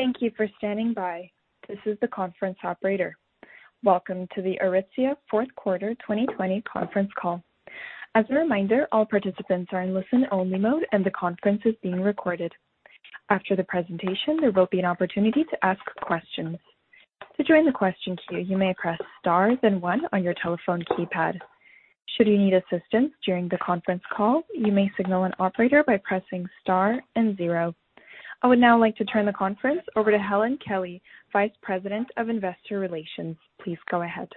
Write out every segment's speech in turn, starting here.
Thank you for standing by. This is the conference operator. Welcome to the Aritzia Q4 2020 conference call. As a reminder, all participants are in listen-only mode and the conference is being recorded. After the presentation, there will be an opportunity to ask questions. To join the question queue, you may press star then one on your telephone keypad. Should you need assistance during the conference call, you may signal an operator by pressing star and zero. I would now like to turn the conference over to Helen Kelly, Vice President of Investor Relations. Please go ahead.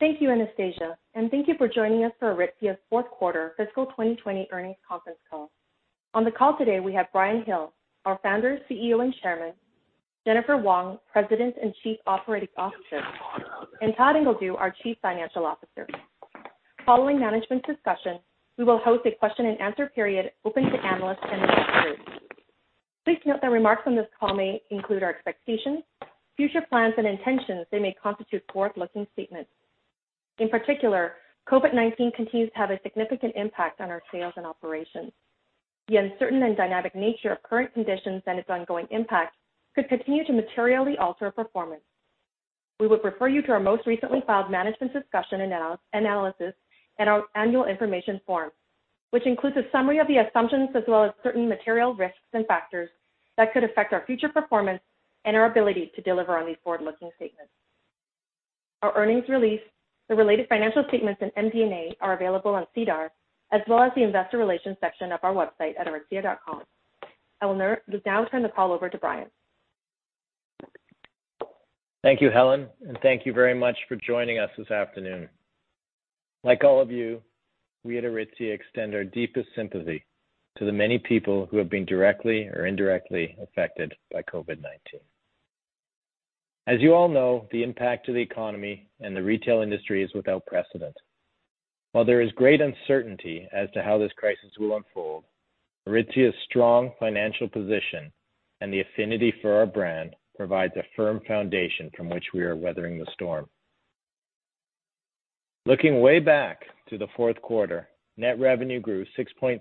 Thank you, Anastasia, and thank you for joining us for Aritzia's Q4 fiscal 2020 earnings conference call. On the call today we have Brian Hill, our founder, CEO, and Chairman, Jennifer Wong, President and Chief Operating Officer, and Todd Ingledew, our Chief Financial Officer. Following management discussion, we will host a question and answer period open to analysts and investors. Please note that remarks on this call may include our expectations, future plans, and intentions. They may constitute forward-looking statements. In particular, COVID-19 continues to have a significant impact on our sales and operations. The uncertain and dynamic nature of current conditions and its ongoing impact could continue to materially alter performance. We would refer you to our most recently filed Management Discussion and Analysis and our annual information form, which includes a summary of the assumptions as well as certain material risks and factors that could affect our future performance and our ability to deliver on these forward-looking statements. Our earnings release, the related financial statements and MD&A are available on SEDAR, as well as the investor relations section of our website at aritzia.com. I will now turn the call over to Brian. Thank you, Helen, thank you very much for joining us this afternoon. Like all of you, we at Aritzia extend our deepest sympathy to the many people who have been directly or indirectly affected by COVID-19. As you all know, the impact to the economy and the retail industry is without precedent. While there is great uncertainty as to how this crisis will unfold, Aritzia's strong financial position and the affinity for our brand provides a firm foundation from which we are weathering the storm. Looking way back to the Q4, net revenue grew 6.3%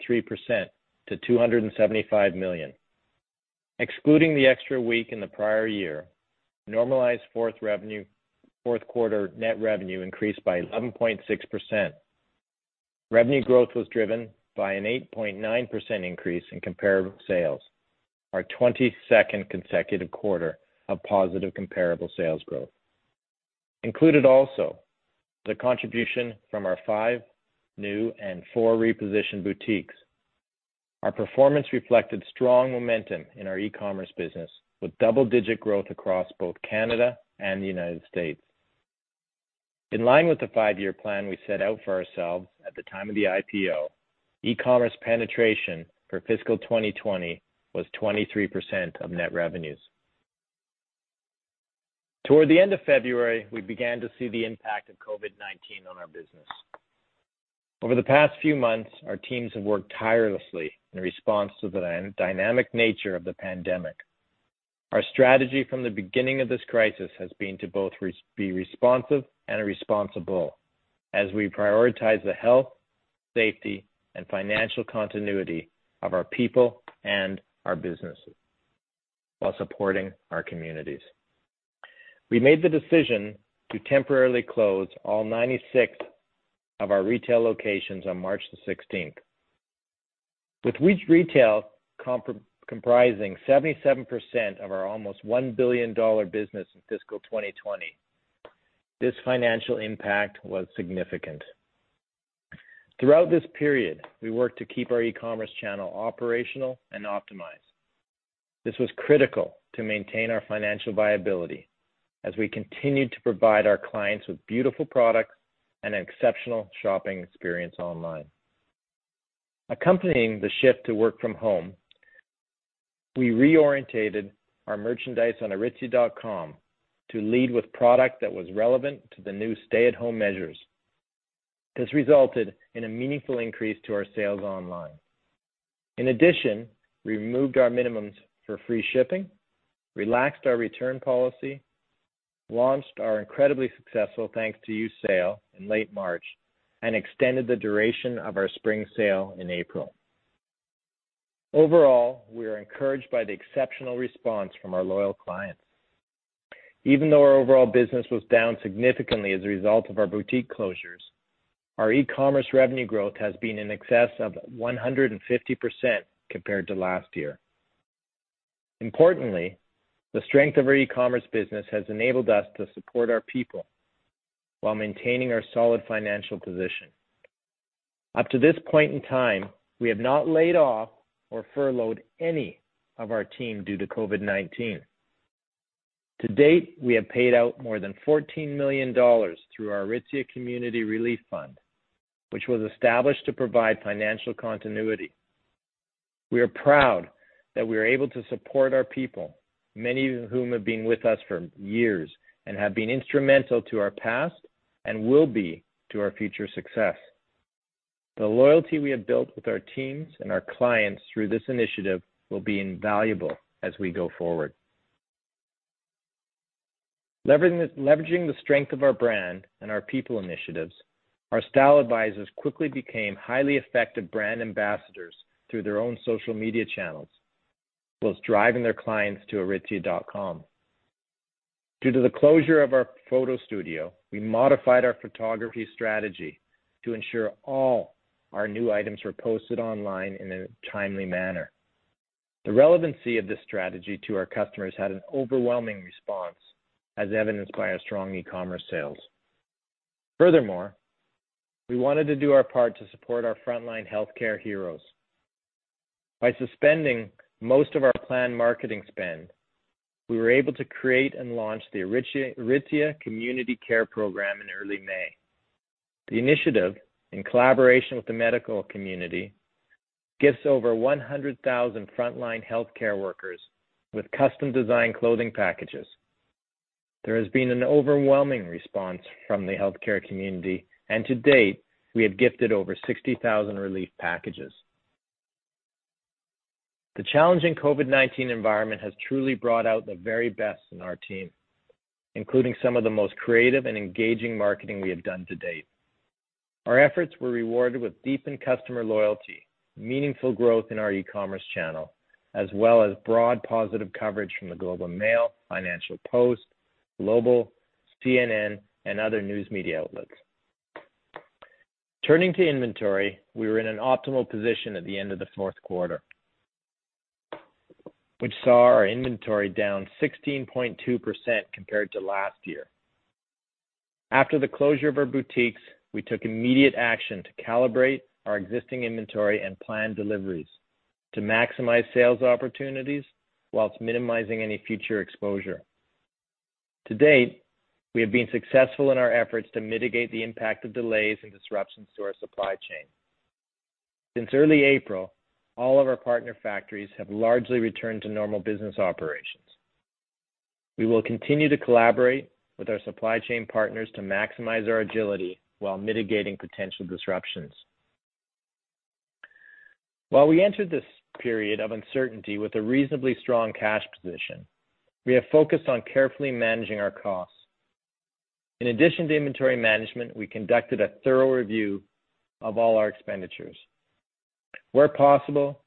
to 275 million. Excluding the extra week in the prior year, normalized Q4 net revenue increased by 11.6%. Revenue growth was driven by an 8.9% increase in comparable sales, our 22nd consecutive quarter of positive comparable sales growth. Included also, the contribution from our five new and four repositioned boutiques. Our performance reflected strong momentum in our e-commerce business, with double-digit growth across both Canada and the U.S. In line with the five-year plan we set out for ourselves at the time of the IPO, e-commerce penetration for fiscal 2020 was 23% of net revenues. Toward the end of February, we began to see the impact of COVID-19 on our business. Over the past few months, our teams have worked tirelessly in response to the dynamic nature of the pandemic. Our strategy from the beginning of this crisis has been to both be responsive and responsible as we prioritize the health, safety, and financial continuity of our people and our businesses while supporting our communities. We made the decision to temporarily close all 96 of our retail locations on March the 16th. With retail comprising 77% of our almost 1 billion dollar business in fiscal 2020, this financial impact was significant. Throughout this period, we worked to keep our e-commerce channel operational and optimized. This was critical to maintain our financial viability as we continued to provide our clients with beautiful products and an exceptional shopping experience online. Accompanying the shift to work from home, we reorientated our merchandise on Aritzia.com to lead with product that was relevant to the new stay-at-home measures. This resulted in a meaningful increase to our sales online. In addition, we removed our minimums for free shipping, relaxed our return policy, launched our incredibly successful Thank You sale in late March, and extended the duration of our spring sale in April. Overall, we are encouraged by the exceptional response from our loyal clients. Even though our overall business was down significantly as a result of our boutique closures, our e-commerce revenue growth has been in excess of 150% compared to last year. Importantly, the strength of our e-commerce business has enabled us to support our people while maintaining our solid financial position. Up to this point in time, we have not laid off or furloughed any of our team due to COVID-19. To date, we have paid out more than 14 million dollars through our Aritzia Community Relief Fund, which was established to provide financial continuity. We are proud that we are able to support our people, many of whom have been with us for years and have been instrumental to our past and will be to our future success. The loyalty we have built with our teams and our clients through this initiative will be invaluable as we go forward. Leveraging the strength of our brand and our people initiatives, our style advisors quickly became highly effective brand ambassadors through their own social media channels, whilst driving their clients to aritzia.com. Due to the closure of our photo studio, we modified our photography strategy to ensure all our new items were posted online in a timely manner. The relevancy of this strategy to our customers had an overwhelming response, as evidenced by our strong e-commerce sales. Furthermore, we wanted to do our part to support our frontline healthcare heroes. By suspending most of our planned marketing spend, we were able to create and launch the Aritzia Community Care program in early May. The initiative, in collaboration with the medical community, gifts over 100,000 frontline healthcare workers with custom-designed clothing packages. There has been an overwhelming response from the healthcare community, and to date, we have gifted over 60,000 relief packages. The challenging COVID-19 environment has truly brought out the very best in our team, including some of the most creative and engaging marketing we have done to date. Our efforts were rewarded with deepened customer loyalty, meaningful growth in our e-commerce channel, as well as broad positive coverage from The Globe and Mail, Financial Post, Global News, CNN, and other news media outlets. Turning to inventory, we were in an optimal position at the end of the Q4, which saw our inventory down 16.2% compared to last year. After the closure of our boutiques, we took immediate action to calibrate our existing inventory and plan deliveries to maximize sales opportunities whilst minimizing any future exposure. To date, we have been successful in our efforts to mitigate the impact of delays and disruptions to our supply chain. Since early April, all of our partner factories have largely returned to normal business operations. We will continue to collaborate with our supply chain partners to maximize our agility while mitigating potential disruptions. While we entered this period of uncertainty with a reasonably strong cash position, we have focused on carefully managing our costs. In addition to inventory management, we conducted a thorough review of all our expenditures. Where possible,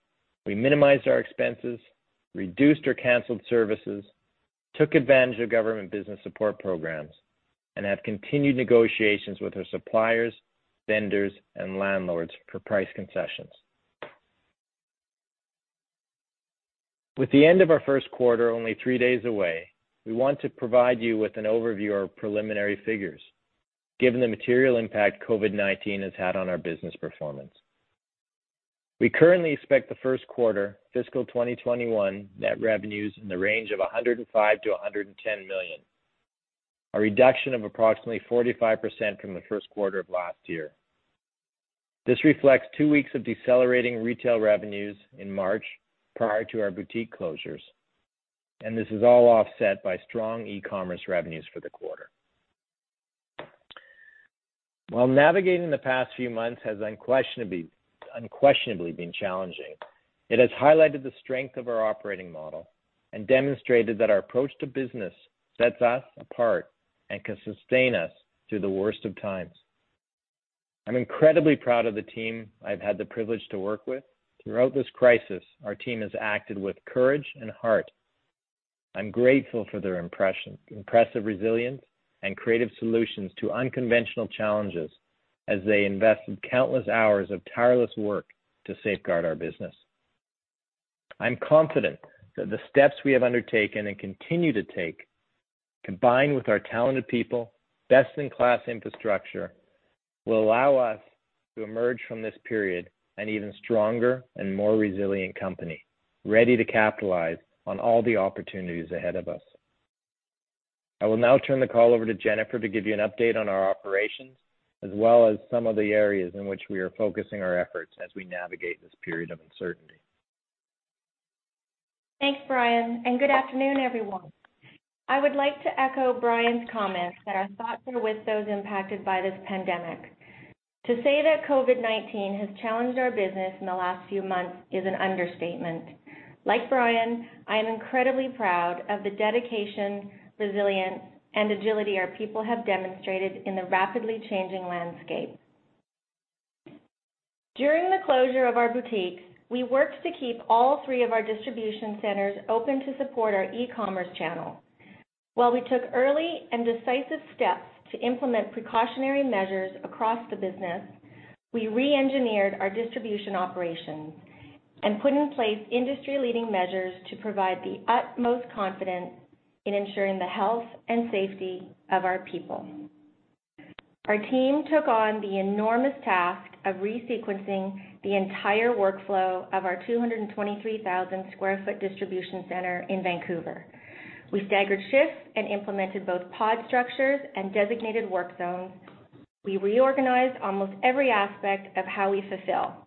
we minimized our expenses, reduced or canceled services, took advantage of government business support programs, and have continued negotiations with our suppliers, vendors, and landlords for price concessions. With the end of our Q1 only three days away, we want to provide you with an overview of preliminary figures, given the material impact COVID-19 has had on our business performance. We currently expect the Q1 fiscal 2021 net revenues in the range of 105 million-110 million, a reduction of approximately 45% from the Q1 of last year. This reflects two weeks of decelerating retail revenues in March prior to our boutique closures, this is all offset by strong e-commerce revenues for the quarter. While navigating the past few months has unquestionably been challenging, it has highlighted the strength of our operating model and demonstrated that our approach to business sets us apart and can sustain us through the worst of times. I'm incredibly proud of the team I've had the privilege to work with. Throughout this crisis, our team has acted with courage and heart. I'm grateful for their impressive resilience and creative solutions to unconventional challenges as they invested countless hours of tireless work to safeguard our business. I'm confident that the steps we have undertaken and continue to take, combined with our talented people, best-in-class infrastructure, will allow us to emerge from this period an even stronger and more resilient company, ready to capitalize on all the opportunities ahead of us. I will now turn the call over to Jennifer to give you an update on our operations, as well as some of the areas in which we are focusing our efforts as we navigate this period of uncertainty. Thanks, Brian, good afternoon, everyone. I would like to echo Brian's comments that our thoughts are with those impacted by this pandemic. To say that COVID-19 has challenged our business in the last few months is an understatement. Like Brian, I am incredibly proud of the dedication, resilience, and agility our people have demonstrated in the rapidly changing landscape. During the closure of our boutiques, we worked to keep all three of our distribution centers open to support our e-commerce channel. While we took early and decisive steps to implement precautionary measures across the business, We re-engineered our distribution operations and put in place industry-leading measures to provide the utmost confidence in ensuring the health and safety of our people. Our team took on the enormous task of resequencing the entire workflow of our 223,000 sq ft distribution center in Vancouver. We staggered shifts and implemented both pod structures and designated work zones. We reorganized almost every aspect of how we fulfill,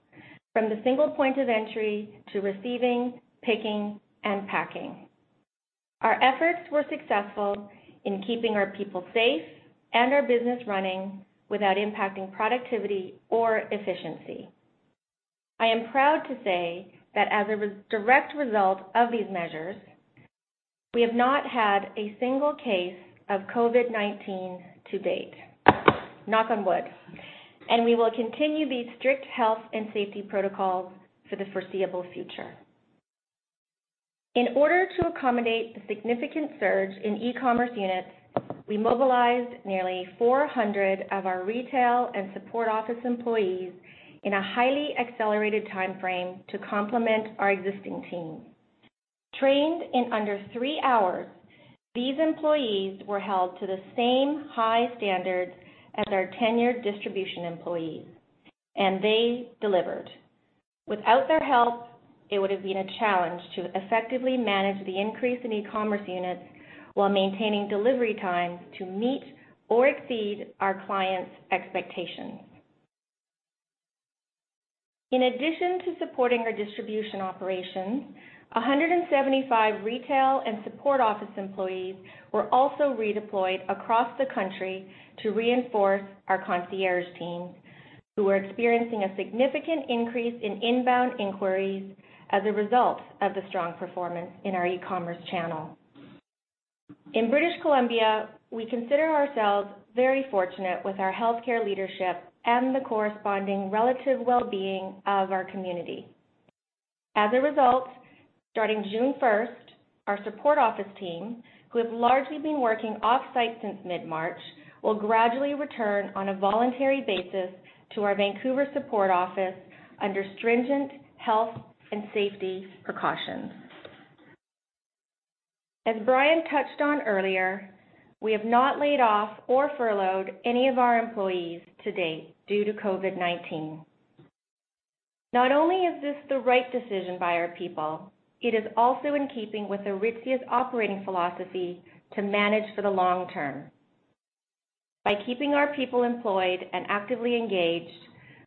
from the single point of entry to receiving, picking, and packing. Our efforts were successful in keeping our people safe and our business running without impacting productivity or efficiency. I am proud to say that as a direct result of these measures, we have not had a single case of COVID-19 to date. Knock on wood. We will continue these strict health and safety protocols for the foreseeable future. In order to accommodate the significant surge in e-commerce units, We mobilized nearly 400 of our retail and support office employees in a highly accelerated timeframe to complement our existing team. Trained in under three hours, these employees were held to the same high standards as our tenured distribution employees, and they delivered. Without their help, it would've been a challenge to effectively manage the increase in e-commerce units while maintaining delivery times to meet or exceed our clients' expectations. In addition to supporting our distribution operations, 175 retail and support office employees were also redeployed across the country to reinforce our concierge team who were experiencing a significant increase in inbound inquiries as a result of the strong performance in our e-commerce channel. In British Columbia, we consider ourselves very fortunate with our healthcare leadership and the corresponding relative wellbeing of our community. Starting June 1st, our support office team, Who have largely been working off-site since mid-March, will gradually return on a voluntary basis to our Vancouver support office under stringent health and safety precautions. As Brian touched on earlier, we have not laid off or furloughed any of our employees to date due to COVID-19. Not only is this the right decision by our people, it is also in keeping with Aritzia's operating philosophy to manage for the long term. By keeping our people employed and actively engaged,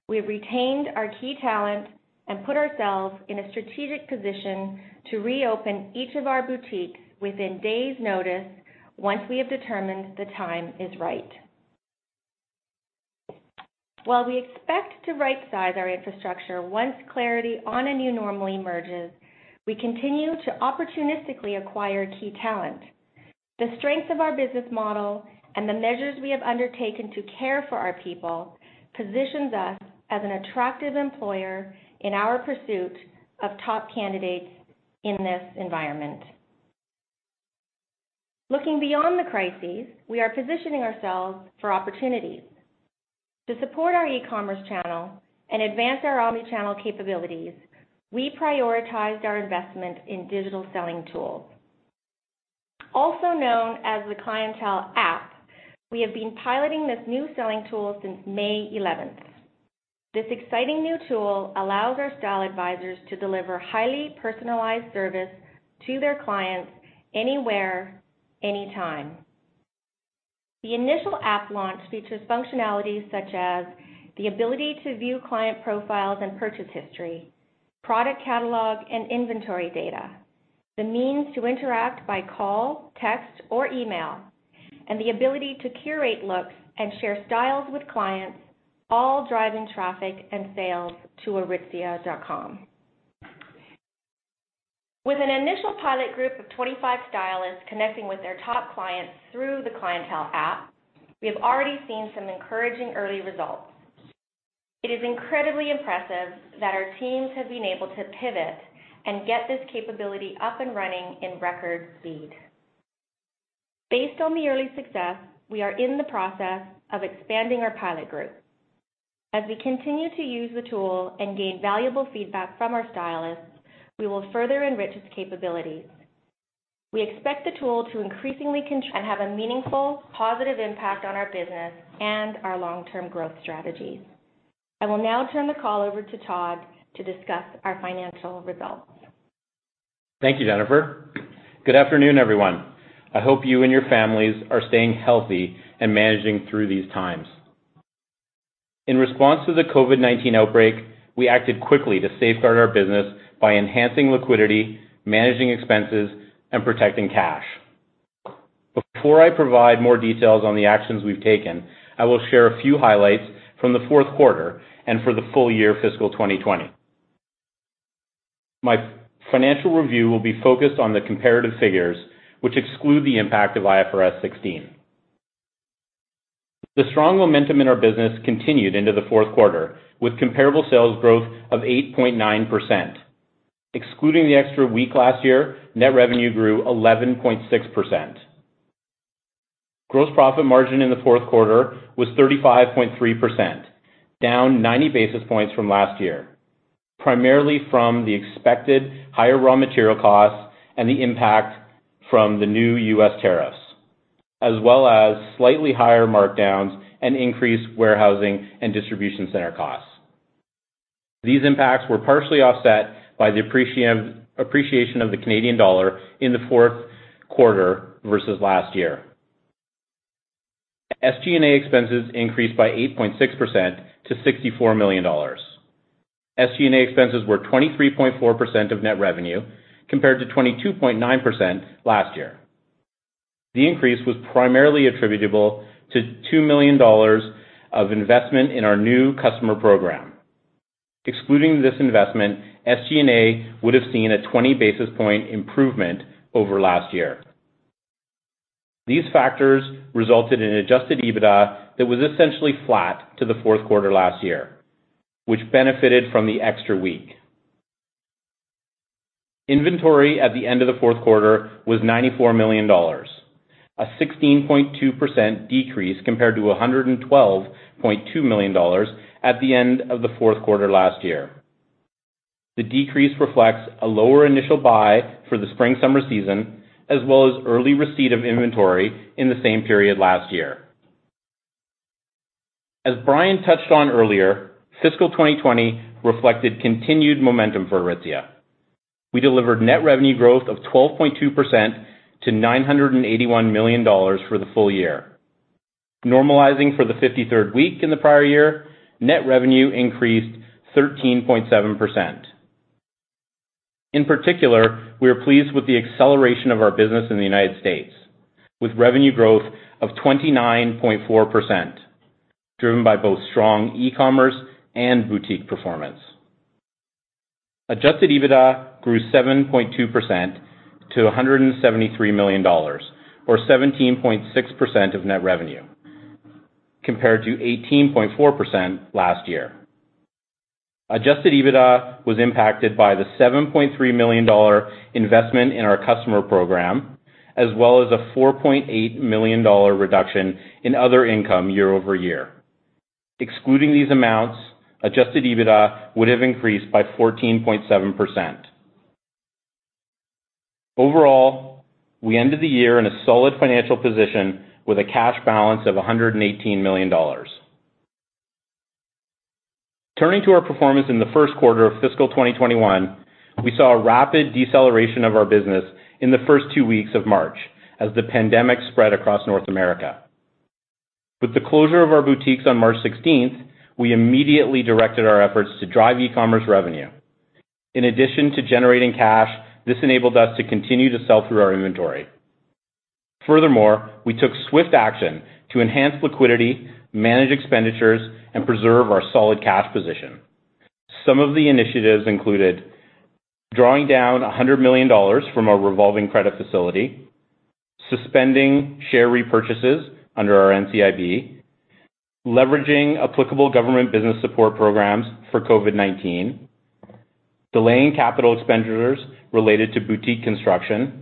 we have retained our key talent and put ourselves in a strategic position to reopen each of our boutiques within days' notice once we have determined the time is right. While we expect to right-size our infrastructure once clarity on a new normal emerges, we continue to opportunistically acquire key talent. The strength of our business model and the measures we have undertaken to care for our people positions us as an attractive employer in our pursuit of top candidates in this environment. Looking beyond the crises, we are positioning ourselves for opportunities. To support our e-commerce channel and advance our omni-channel capabilities, we prioritized our investment in digital selling tools. Also known as the Clientele app, we have been piloting this new selling tool since May 11th. This exciting new tool allows our style advisors to deliver highly personalized service to their clients anywhere, anytime. The initial app launch features functionalities such as the ability to view client profiles and purchase history, product catalog, and inventory data, the means to interact by call, text, or email, and the ability to curate looks and share styles with clients, all driving traffic and sales to aritzia.com. With an initial pilot group of 25 stylists connecting with their top clients through the Clientele app, we have already seen some encouraging early results. It is incredibly impressive that our teams have been able to pivot and get this capability up and running in record speed. Based on the early success, we are in the process of expanding our pilot group. As we continue to use the tool and gain valuable feedback from our stylists, we will further enrich its capabilities. We expect the tool to increasingly and have a meaningful positive impact on our business and our long-term growth strategies. I will now turn the call over to Todd to discuss our financial results. Thank you, Jennifer. Good afternoon, everyone. I hope you and your families are staying healthy and managing through these times. In response to the COVID-19 outbreak, we acted quickly to safeguard our business by enhancing liquidity, managing expenses, and protecting cash. Before I provide more details on the actions we've taken, I will share a few highlights from the Q4 and for the full year fiscal 2020. My financial review will be focused on the comparative figures, which exclude the impact of IFRS 16. The strong momentum in our business continued into the Q4 with comparable sales growth of 8.9%. Excluding the extra week last year, net revenue grew 11.6%. Gross profit margin in the Q4 was 35.3%, down 90 basis points from last year, primarily from the expected higher raw material costs and the impact from the new U.S. tariffs, as well as slightly higher markdowns and increased warehousing and distribution center costs. These impacts were partially offset by the appreciation of the Canadian dollar in the Q4 versus last year. SG&A expenses increased by 8.6% to 64 million dollars. SG&A expenses were 23.4% of net revenue, compared to 22.9% last year. The increase was primarily attributable to 2 million dollars of investment in our new customer program. Excluding this investment, SG&A would have seen a 20 basis point improvement over last year. These factors resulted in adjusted EBITDA that was essentially flat to the Q4 last year, which benefited from the extra week. Inventory at the end of the Q4 was 94 million dollars, a 16.2% decrease compared to 112.2 million dollars at the end of the Q4 last year. The decrease reflects a lower initial buy for the spring and summer season, as well as early receipt of inventory in the same period last year. As Brian touched on earlier, fiscal 2020 reflected continued momentum for Aritzia. We delivered net revenue growth of 12.2% to 981 million dollars for the full year. Normalizing for the 53rd week in the prior year, net revenue increased 13.7%. In particular, we are pleased with the acceleration of our business in the United States, with revenue growth of 29.4%, driven by both strong e-commerce and boutique performance. Adjusted EBITDA grew 7.2% to 173 million dollars, or 17.6% of net revenue, compared to 18.4% last year. Adjusted EBITDA was impacted by the 7.3 million dollar investment in our customer program, as well as a 4.8 million dollar reduction in other income year-over-year. Excluding these amounts, adjusted EBITDA would have increased by 14.7%. We ended the year in a solid financial position with a cash balance of 118 million dollars. Turning to our performance in the Q1 of fiscal 2021, we saw a rapid deceleration of our business in the first two weeks of March as the pandemic spread across North America. With the closure of our boutiques on March 16th, we immediately directed our efforts to drive e-commerce revenue. In addition to generating cash, this enabled us to continue to sell through our inventory. We took swift action to enhance liquidity, manage expenditures, and preserve our solid cash position. Some of the initiatives included drawing down 100 million dollars from our revolving credit facility, suspending share repurchases under our NCIB, leveraging applicable government business support programs for COVID-19, delaying capital expenditures related to boutique construction,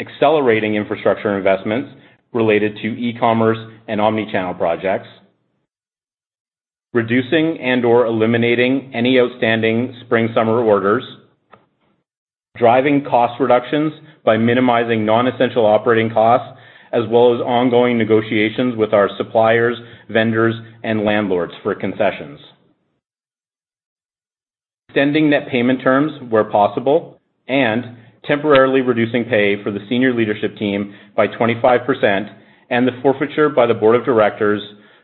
Accelerating infrastructure investments related to e-commerce and omni-channel projects, reducing and/or eliminating any outstanding spring and summer orders, driving cost reductions by minimizing non-essential operating costs, as well as ongoing negotiations with our suppliers, Vendors, and landlords for concessions, extending net payment terms where possible, and temporarily reducing pay for the senior leadership team by 25% and the forfeiture by the board of directors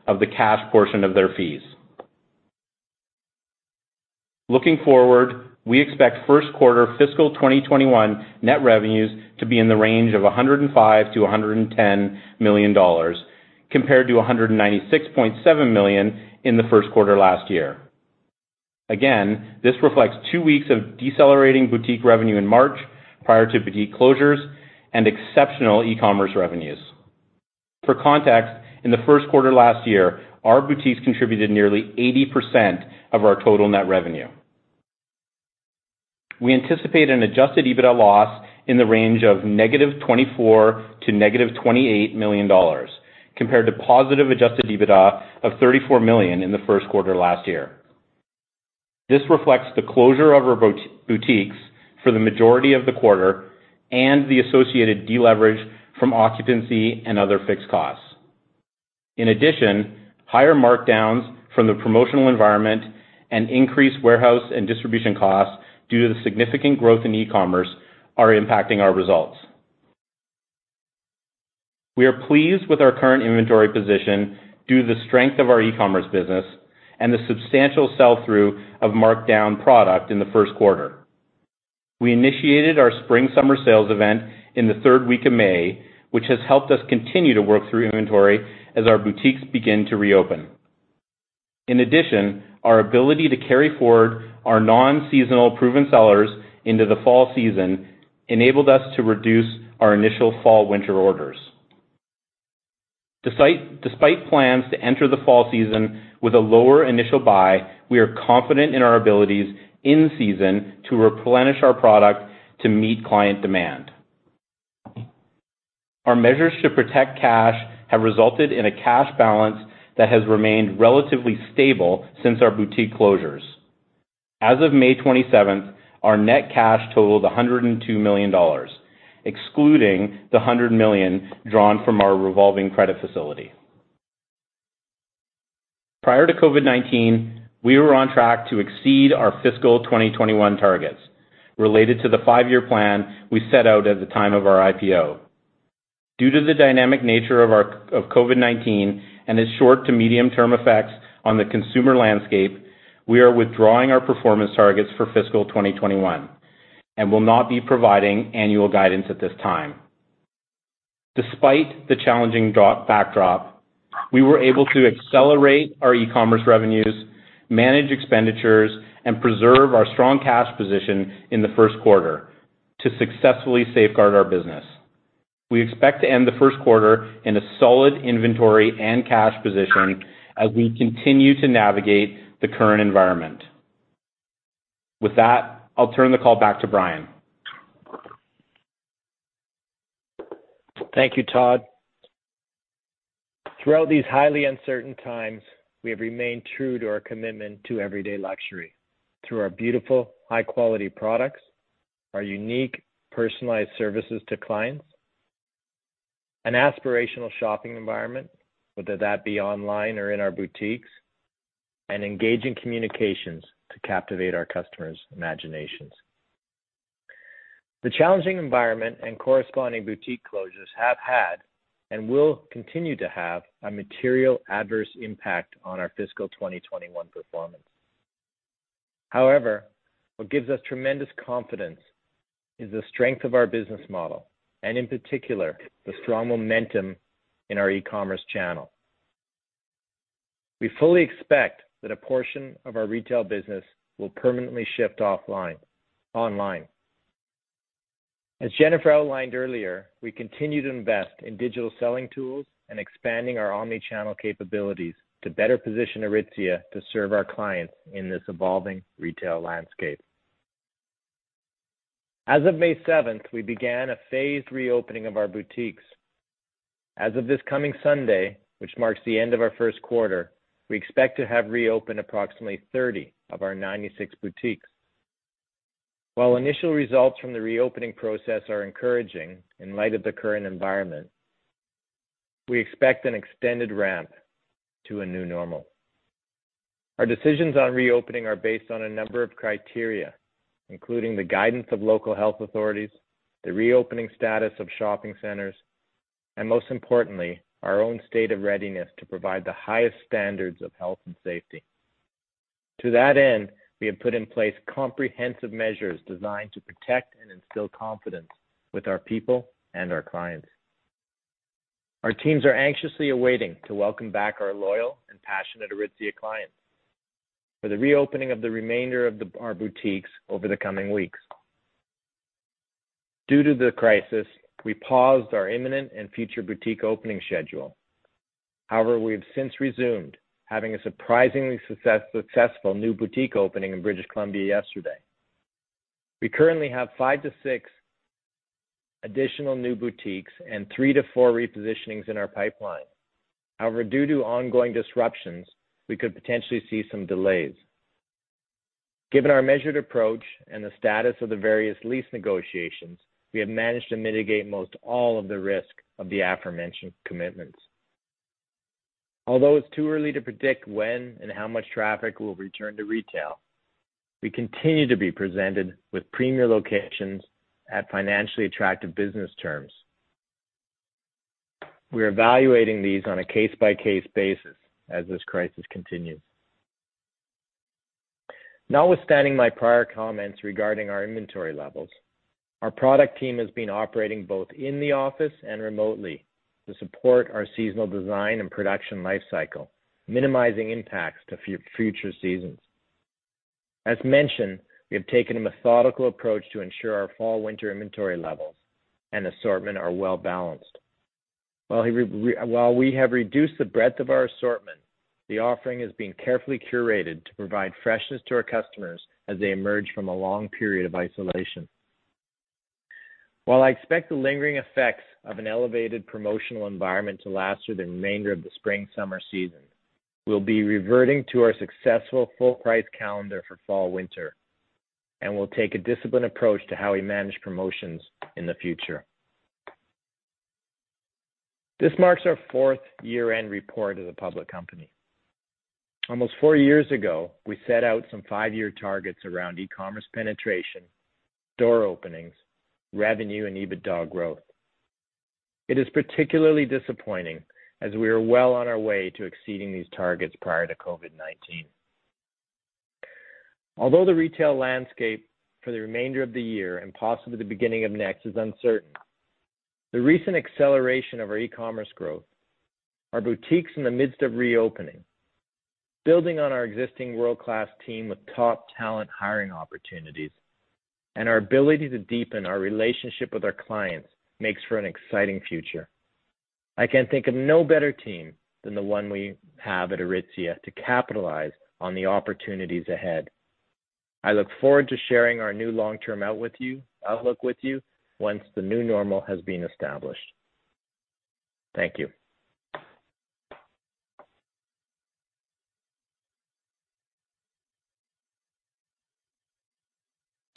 of the cash portion of their fees. Looking forward, we expect Q1 fiscal 2021 net revenues to be in the range of 105 million-110 million dollars, compared to 196.7 million in the Q1 last year. Again, this reflects two weeks of decelerating boutique revenue in March prior to boutique closures and exceptional e-commerce revenues. For context, in the Q1 last year, our boutiques contributed nearly 80% of our total net revenue. We anticipate an adjusted EBITDA loss in the range of -24 million to -28 million dollars, compared to positive adjusted EBITDA of 34 million in the Q1 last year. This reflects the closure of our boutiques for the majority of the quarter and the associated deleverage from occupancy and other fixed costs. In addition, higher markdowns from the promotional environment and increased warehouse and distribution costs due to the significant growth in e-commerce are impacting our results. We are pleased with our current inventory position due to the strength of our e-commerce business and the substantial sell-through of marked-down product in the Q1. We initiated our spring and summer sales event in the third week of May, which has helped us continue to work through inventory as our boutiques begin to reopen. In addition, our ability to carry forward our non-seasonal proven sellers into the fall season enabled us to reduce our initial fall and winter orders. Despite plans to enter the fall season with a lower initial buy, we are confident in our abilities in season to replenish our product to meet client demand. Our measures to protect cash have resulted in a cash balance that has remained relatively stable since our boutique closures. As of May 27th, our net cash totaled 102 million dollars, excluding the 100 million drawn from our revolving credit facility. Prior to COVID-19, we were on track to exceed our fiscal 2021 targets related to the five-year plan we set out at the time of our IPO. Due to the dynamic nature of COVID-19 and its short to medium-term effects on the consumer landscape. We are withdrawing our performance targets for fiscal 2021, and will not be providing annual guidance at this time. Despite the challenging backdrop, we were able to accelerate our e-commerce revenues, Manage expenditures, and preserve our strong cash position in the Q1 to successfully safeguard our business. We expect to end the Q1 in a solid inventory and cash position as we continue to navigate the current environment. With that, I'll turn the call back to Brian. Thank you, Todd. Throughout these highly uncertain times, we have remained true to our commitment to everyday luxury through our beautiful, high-quality products, our unique personalized services to clients, an aspirational shopping environment, whether that be online or in our boutiques, and engaging communications to captivate our customers' imaginations. The challenging environment and corresponding boutique closures have had, and will continue to have, a material adverse impact on our fiscal 2021 performance. What gives us tremendous confidence is the strength of our business model and, in particular, the strong momentum in our e-commerce channel. As Jennifer outlined earlier, we fully expect that a portion of our retail business will permanently shift online. We continue to invest in digital selling tools and expanding our omni-channel capabilities to better position Aritzia to serve our clients in this evolving retail landscape. As of May 7th, we began a phased reopening of our boutiques. As of this coming Sunday, which marks the end of our Q1, we expect to have reopened approximately 30 of our 96 boutiques. While initial results from the reopening process are encouraging in light of the current environment, we expect an extended ramp to a new normal. Our decisions on reopening are based on a number of criteria, including the guidance of local health authorities, the reopening status of shopping centers, and most importantly, our own state of readiness to provide the highest standards of health and safety. To that end, we have put in place comprehensive measures designed to protect and instill confidence with our people and our clients. Our teams are anxiously awaiting to welcome back our loyal and passionate Aritzia clients for the reopening of the remainder of our boutiques over the coming weeks. Due to the crisis, we paused our imminent and future boutique opening schedule. However, we have since resumed, having a surprisingly successful new boutique opening in British Columbia yesterday. We currently have five to six additional new boutiques and three to four repositionings in our pipeline. However, due to ongoing disruptions, we could potentially see some delays. Given our measured approach and the status of the various lease negotiations, we have managed to mitigate most all of the risk of the aforementioned commitments. Although it's too early to predict when and how much traffic will return to retail, we continue to be presented with premier locations at financially attractive business terms. We are evaluating these on a case-by-case basis as this crisis continues. Notwithstanding my prior comments regarding our inventory levels, our product team has been operating both in the office and remotely to support our seasonal design and production life cycle, minimizing impacts to future seasons. As mentioned, we have taken a methodical approach to ensure our fall and winter inventory levels and assortment are well-balanced. While we have reduced the breadth of our assortment, the offering is being carefully curated to provide freshness to our customers as they emerge from a long period of isolation. While I expect the lingering effects of an elevated promotional environment to last through the remainder of the spring and summer season, we'll be reverting to our successful full-price calendar for fall and winter, and we'll take a disciplined approach to how we manage promotions in the future. This marks our fourth year-end report as a public company. Almost four years ago, we set out some five-year targets around e-commerce penetration, door openings, revenue, and EBITDA growth. It is particularly disappointing as we are well on our way to exceeding these targets prior to COVID-19. Although the retail landscape for the remainder of the year and possibly the beginning of next is uncertain, the recent acceleration of our e-commerce growth, our boutiques in the midst of reopening, building on our existing world-class team with top talent hiring opportunities, and our ability to deepen our relationship with our clients makes for an exciting future. I can think of no better team than the one we have at Aritzia to capitalize on the opportunities ahead. I look forward to sharing our new long-term outlook with you once the new normal has been established. Thank you.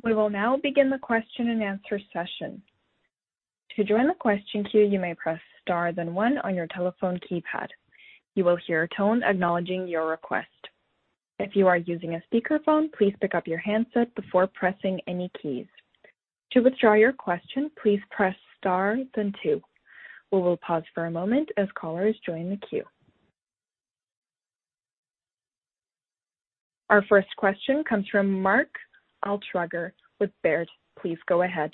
We will now begin the question and answer session. To join the question queue, you may press star then one on your telephone keypad. You will hear a tone acknowledging your request. If you are using a speakerphone, please pick up your handset before pressing any keys. To withdraw your question, please press star then two. We will pause for a moment as callers join the queue. Our first question comes from Mark Altschwager with Baird. Please go ahead.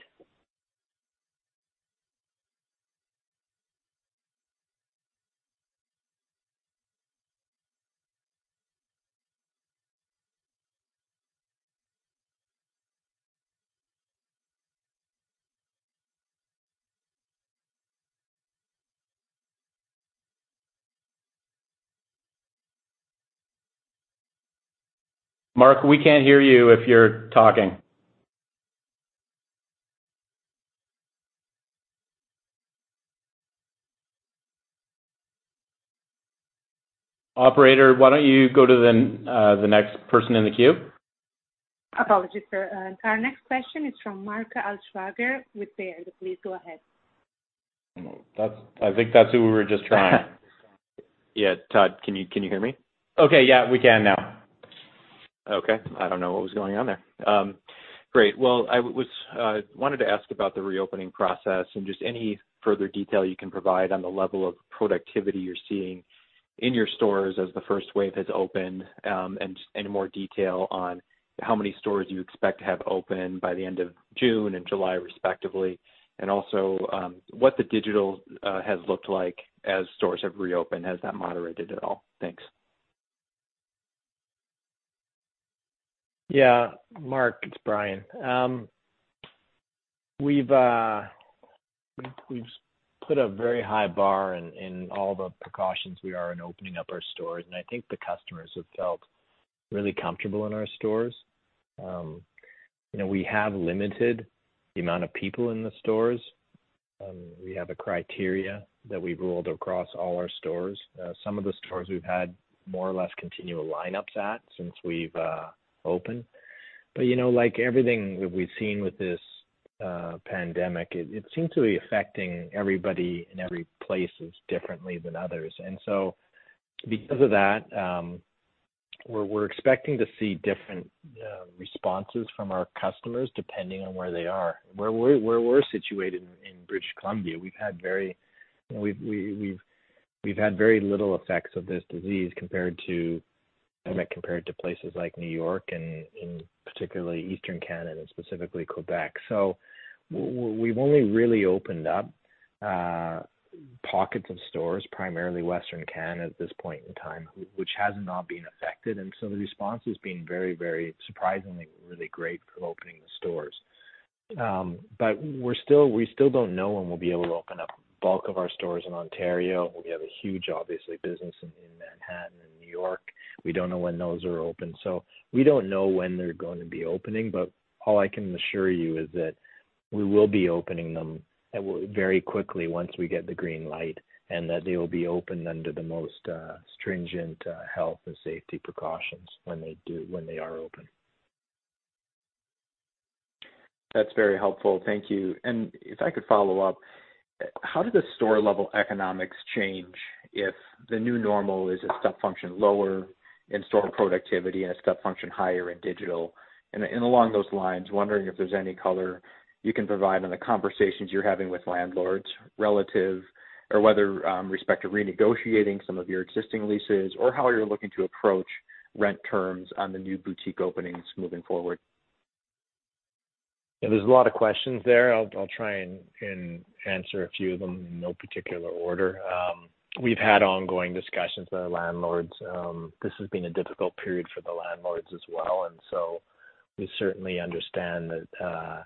Mark, we can't hear you if you're talking. Operator, why don't you go to the next person in the queue? Apologies, sir. Our next question is from Mark Altschwager with Baird. Please go ahead. I think that's who we were just trying. Yeah. Todd, can you hear me? Okay, yeah, we can now. Okay. I don't know what was going on there. Great. Well, I wanted to ask about the reopening process and just any further detail you can provide on the level of productivity you're seeing in your stores as the first wave has opened, and more detail on how many stores you expect to have open by the end of June and July, respectively, and also what the digital has looked like as stores have reopened. Has that moderated at all? Thanks. Yeah. Mark, it's Brian. We've put a very high bar in all the precautions we are in opening up our stores, and I think the customers have felt really comfortable in our stores. We have limited the amount of people in the stores. We have a criteria that we've ruled across all our stores. Some of the stores we've had more or less continual lineups at since we've opened. Like everything that we've seen with this pandemic, it seems to be affecting everybody and every places differently than others. Because of that, we're expecting to see different responses from our customers depending on where they are. Where we're situated in British Columbia, we've had very little effects of this disease compared to places like New York and particularly Eastern Canada, and specifically Quebec. We've only really opened up pockets of stores, primarily Western Canada at this point in time, which has not been affected, the response has been very surprisingly, really great for opening the stores. We still don't know when we'll be able to open up bulk of our stores in Ontario. We have a huge, obviously, business in Manhattan and New York. We don't know when those are open. We don't know when they're going to be opening, but all I can assure you is that we will be opening them very quickly once we get the green light, and that they will be open under the most stringent health and safety precautions when they are open. That's very helpful. Thank you. If I could follow up, how do the store level economics change if the new normal is a step function lower in store productivity and a step function higher in digital? Along those lines, wondering if there's any color you can provide on the conversations you're having with landlords with respect to renegotiating some of your existing leases or how you're looking to approach rent terms on the new boutique openings moving forward. There's a lot of questions there. I'll try and answer a few of them in no particular order. We've had ongoing discussions with our landlords. This has been a difficult period for the landlords as well, and so we certainly understand that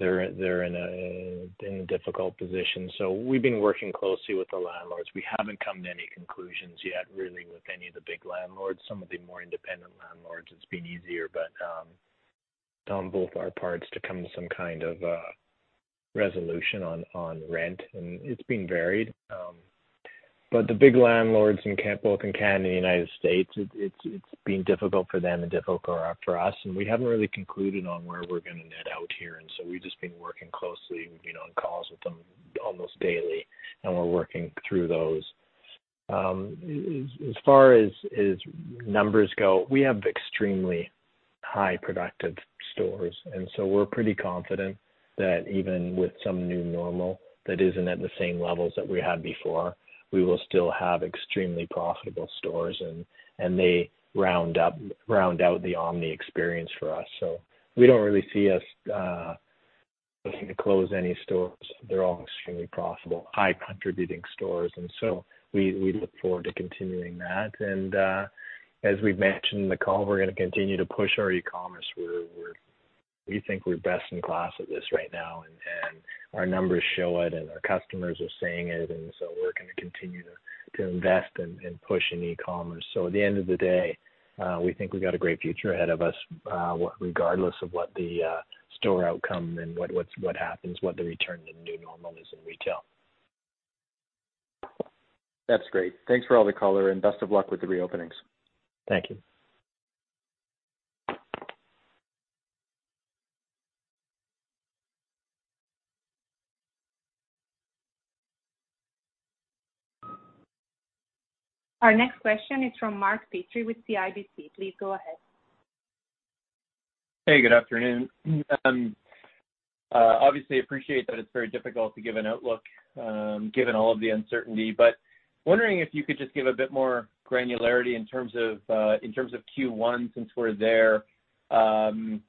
they're in a difficult position. We've been working closely with the landlords. We haven't come to any conclusions yet, really, with any of the big landlords. Some of the more independent landlords it's been easier, but on both our parts to come to some kind of resolution on rent, and it's been varied. The big landlords in both Canada and the United States, it's been difficult for them and difficult for us, and so we haven't really concluded on where we're going to net out here, and so we've just been working closely on calls with them almost daily, and we're working through those. As far as numbers go, we have extremely high productive stores, and so we're pretty confident that even with some new normal that isn't at the same levels that we had before, we will still have extremely profitable stores, and they round out the omni experience for us. We don't really see us looking to close any stores. They're all extremely profitable, high contributing stores, and so we look forward to continuing that. As we've mentioned in the call, we're going to continue to push our e-commerce. We think we're best in class at this right now, and our numbers show it, and our customers are saying it, and so we're going to continue to invest in pushing e-commerce. At the end of the day, we think we've got a great future ahead of us regardless of what the store outcome and what happens, what the return to the new normal is in retail. That's great. Thanks for all the color and best of luck with the reopenings. Thank you. Our next question is from Mark Petrie with CIBC. Please go ahead. Hey, good afternoon. Obviously appreciate that it's very difficult to give an outlook given all of the uncertainty, but wondering if you could just give a bit more granularity in terms of Q1 since we're there, and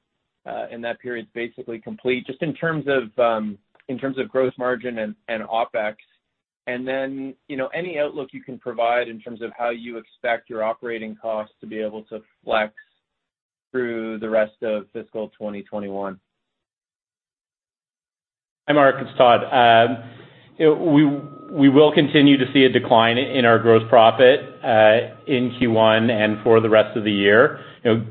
that period's basically complete, just in terms of gross margin and OpEx. Any outlook you can provide in terms of how you expect your operating costs to be able to flex through the rest of fiscal 2021. Hi, Mark, it's Todd. We will continue to see a decline in our gross profit, in Q1 and for the rest of the year.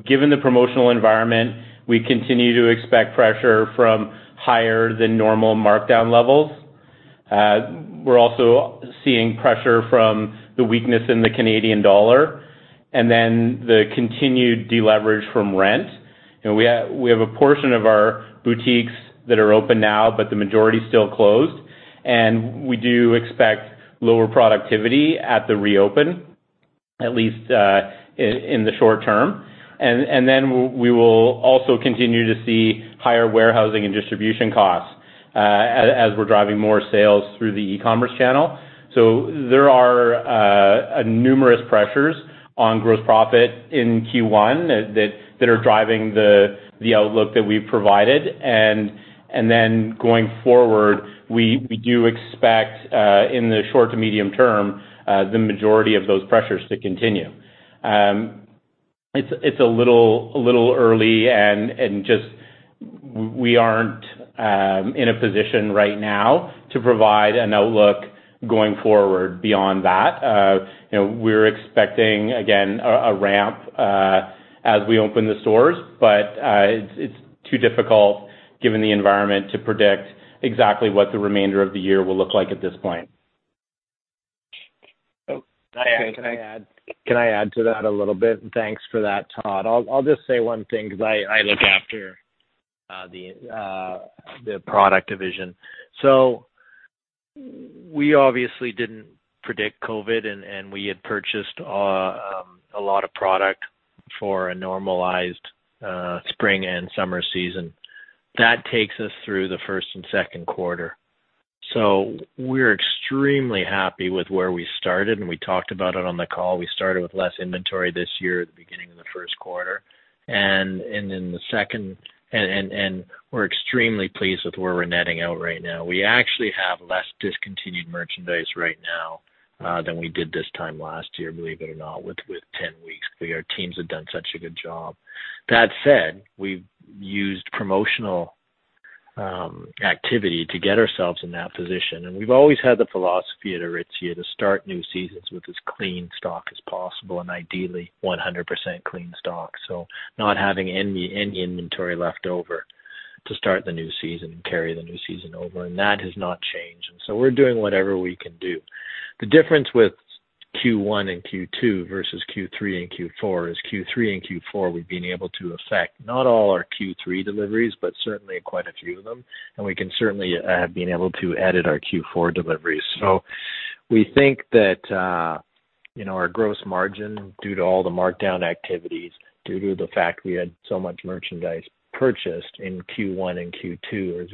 Given the promotional environment, we continue to expect pressure from higher than normal markdown levels. We're also seeing pressure from the weakness in the Canadian dollar, and then the continued deleverage from rent. We have a portion of our boutiques that are open now, but the majority is still closed, and we do expect lower productivity at the reopen, at least in the short term. We will also continue to see higher warehousing and distribution costs, as we're driving more sales through the e-commerce channel. There are numerous pressures on gross profit in Q1 that are driving the outlook that we've provided. Going forward, we do expect, in the short to medium term, the majority of those pressures to continue. It's a little early and just, we aren't in a position right now to provide an outlook going forward beyond that. We're expecting, again, a ramp as we open the stores. It's too difficult, given the environment, to predict exactly what the remainder of the year will look like at this point. Oh, okay. Can I add to that a little bit? Thanks for that, Todd. I'll just say one thing because I look after the product division. We obviously didn't predict COVID and we had purchased a lot of product for a normalized spring and summer season. That takes us through the first and Q2. We're extremely happy with where we started, and we talked about it on the call. We started with less inventory this year at the beginning of the Q1, and in the second, and we're extremely pleased with where we're netting out right now. We actually have less discontinued merchandise right now, than we did this time last year, believe it or not, with 10 weeks. Our teams have done such a good job. We've used promotional activity to get ourselves in that position, and we've always had the philosophy at Aritzia to start new seasons with as clean stock as possible, and ideally 100% clean stock. Not having any inventory left over to start the new season and carry the new season over, and that has not changed. We're doing whatever we can do. The difference with Q1 and Q2 versus Q3 and Q4 is Q3 and Q4, we've been able to affect, not all our Q3 deliveries, but certainly quite a few of them, and we can certainly have been able to edit our Q4 deliveries. We think that our gross margin, due to all the markdown activities, due to the fact we had so much merchandise purchased in Q1 and Q2 is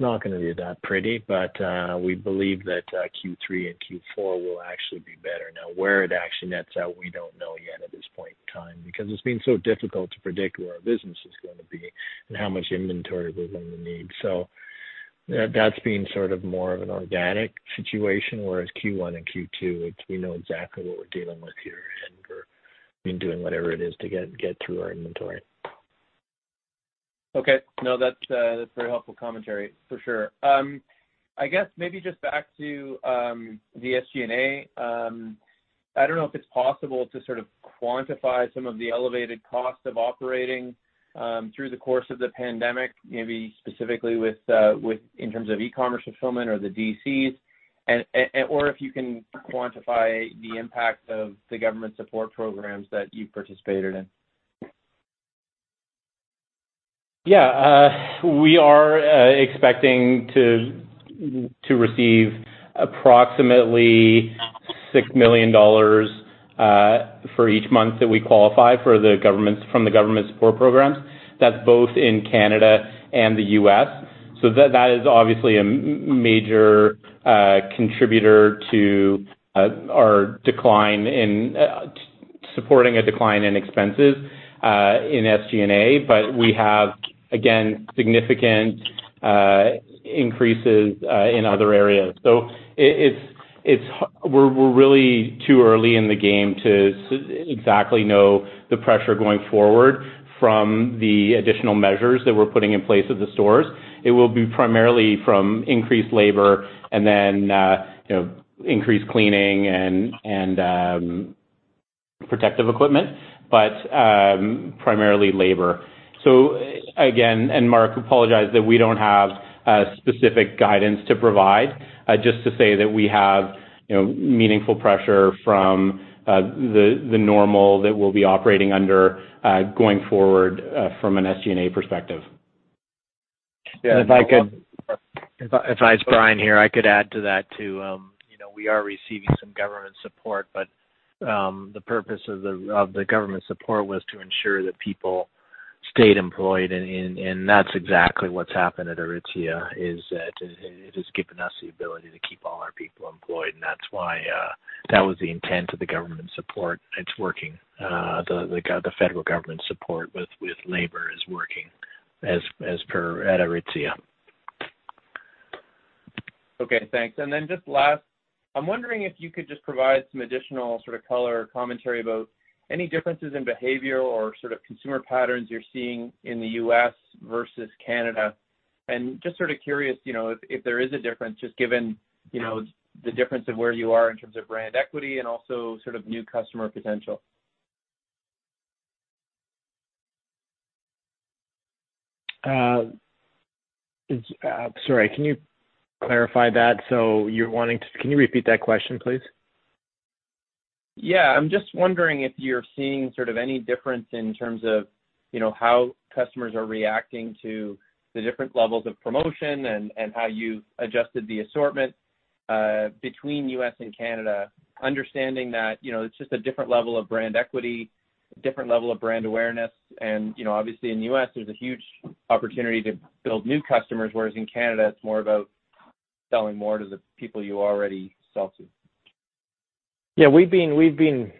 not going to be that pretty. We believe that Q3 and Q4 will actually be better. Where it actually nets out, we don't know yet at this point in time, because it's been so difficult to predict where our business is going to be and how much inventory we're going to need. That's been sort of more of an organic situation, whereas Q1 and Q2, we know exactly what we're dealing with here, and we're doing whatever it is to get through our inventory. Okay. No, that's very helpful commentary for sure. I guess maybe just back to the SG&A. I don't know if it's possible to sort of quantify some of the elevated costs of operating through the course of the pandemic, maybe specifically in terms of e-commerce fulfillment or the DCs, or if you can quantify the impact of the government support programs that you've participated in. We are expecting to receive approximately 6 million dollars for each month that we qualify from the government support programs. That is both in Canada and the U.S. That is obviously a major contributor to our supporting a decline in expenses, in SG&A. We have, again, significant increases in other areas. We are really too early in the game to exactly know the pressure going forward from the additional measures that we are putting in place at the stores. It will be primarily from increased labor and then increased cleaning and protective equipment, but primarily labor. Again, Mark, apologize that we do not have specific guidance to provide, just to say that we have meaningful pressure from the normal that we will be operating under, going forward, from an SG&A perspective. It's Brian here, I could add to that, too. We are receiving some government support, but, the purpose of the government support was to ensure that people stayed employed, and that's exactly what's happened at Aritzia, is that it has given us the ability to keep all our people employed and that's why That was the intent of the government support. It's working. The federal government support with labor is working, as per at Aritzia. Okay, thanks. Then just last, I'm wondering if you could just provide some additional sort of color or commentary about any differences in behavior or sort of consumer patterns you're seeing in the U.S. versus Canada. Just sort of curious, if there is a difference, just given the difference of where you are in terms of brand equity and also sort of new customer potential. Sorry, can you clarify that? Can you repeat that question, please? Yeah. I'm just wondering if you're seeing sort of any difference in terms of how customers are reacting to the different levels of promotion and how you've adjusted the assortment, between U.S. and Canada, understanding that it's just a different level of brand equity, a different level of brand awareness. Obviously in the U.S., there's a huge opportunity to build new customers, whereas in Canada, it's more about selling more to the people you already sell to. We've been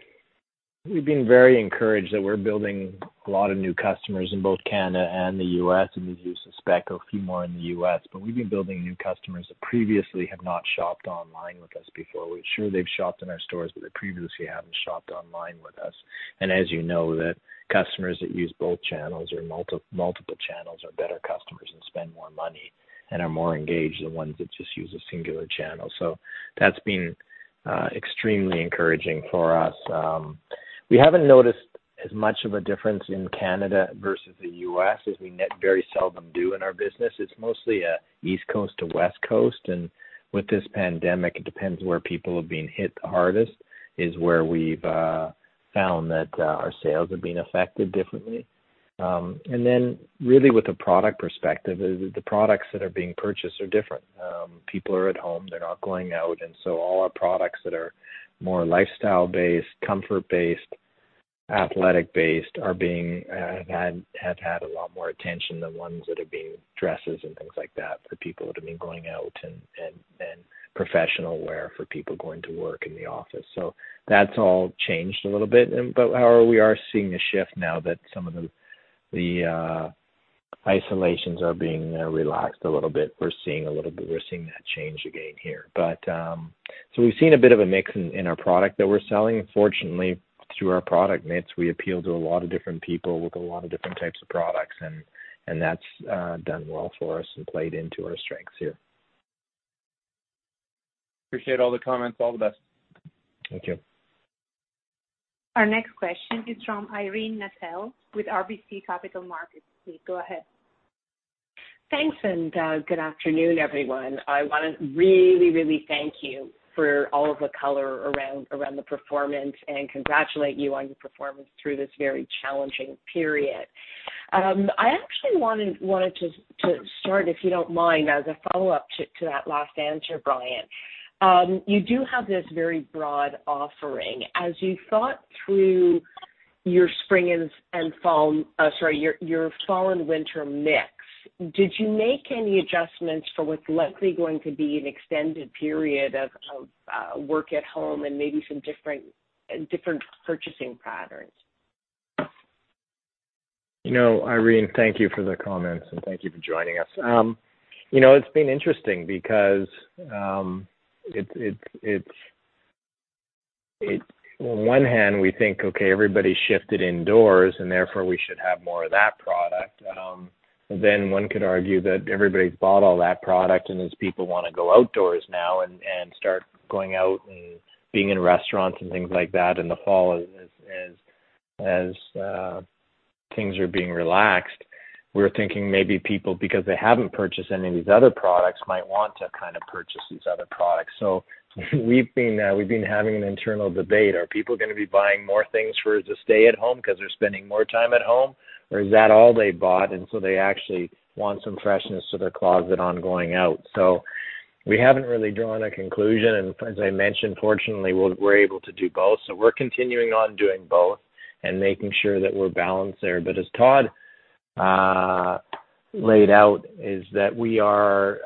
very encouraged that we're building a lot of new customers in both Canada and the U.S., and we do suspect a few more in the U.S., but we've been building new customers that previously have not shopped online with us before. Sure, they've shopped in our stores, but they previously haven't shopped online with us. As you know, that customers that use both channels or multiple channels are better customers and spend more money and are more engaged than ones that just use a singular channel. That's been extremely encouraging for us. We haven't noticed as much of a difference in Canada versus the U.S., as we very seldom do in our business. It's mostly East Coast to West Coast, and with this pandemic, it depends where people have been hit the hardest is where we've found that our sales have been affected differently. Really with the product perspective is the products that are being purchased are different. People are at home, they're not going out, all our products that are more lifestyle-based, comfort-based, athletic-based have had a lot more attention than ones that are dresses and things like that for people that have been going out and professional wear for people going to work in the office. That's all changed a little bit. We are seeing a shift now that some of the isolations are being relaxed a little bit. We're seeing that change again here. We've seen a bit of a mix in our product that we're selling. Fortunately, through our product mix, we appeal to a lot of different people with a lot of different types of products, and that's done well for us and played into our strengths here. Appreciate all the comments. All the best. Thank you. Our next question is from Irene Nattel with RBC Capital Markets. Please go ahead. Thanks, good afternoon, everyone. I want to really thank you for all of the color around the performance and congratulate you on your performance through this very challenging period. I actually wanted to start, if you don't mind, as a follow-up to that last answer, Brian. You do have this very broad offering. As you thought through your spring and fall, sorry, your fall and winter mix, did you make any adjustments for what's likely going to be an extended period of work at home and maybe some different purchasing patterns. Irene, thank you for the comments, and thank you for joining us. It's been interesting because on one hand, we think, okay, everybody's shifted indoors, and therefore, we should have more of that product. One could argue that everybody's bought all that product, and as people want to go outdoors now and start going out and being in restaurants and things like that in the fall as things are being relaxed, we're thinking maybe people, because they haven't purchased any of these other products, might want to kind of purchase these other products. We've been having an internal debate. Are people going to be buying more things for the stay at home because they're spending more time at home? Is that all they bought, and so they actually want some freshness to their closet on going out? We haven't really drawn a conclusion, and as I mentioned, fortunately, we're able to do both. We're continuing on doing both and making sure that we're balanced there. As Todd laid out, is that we are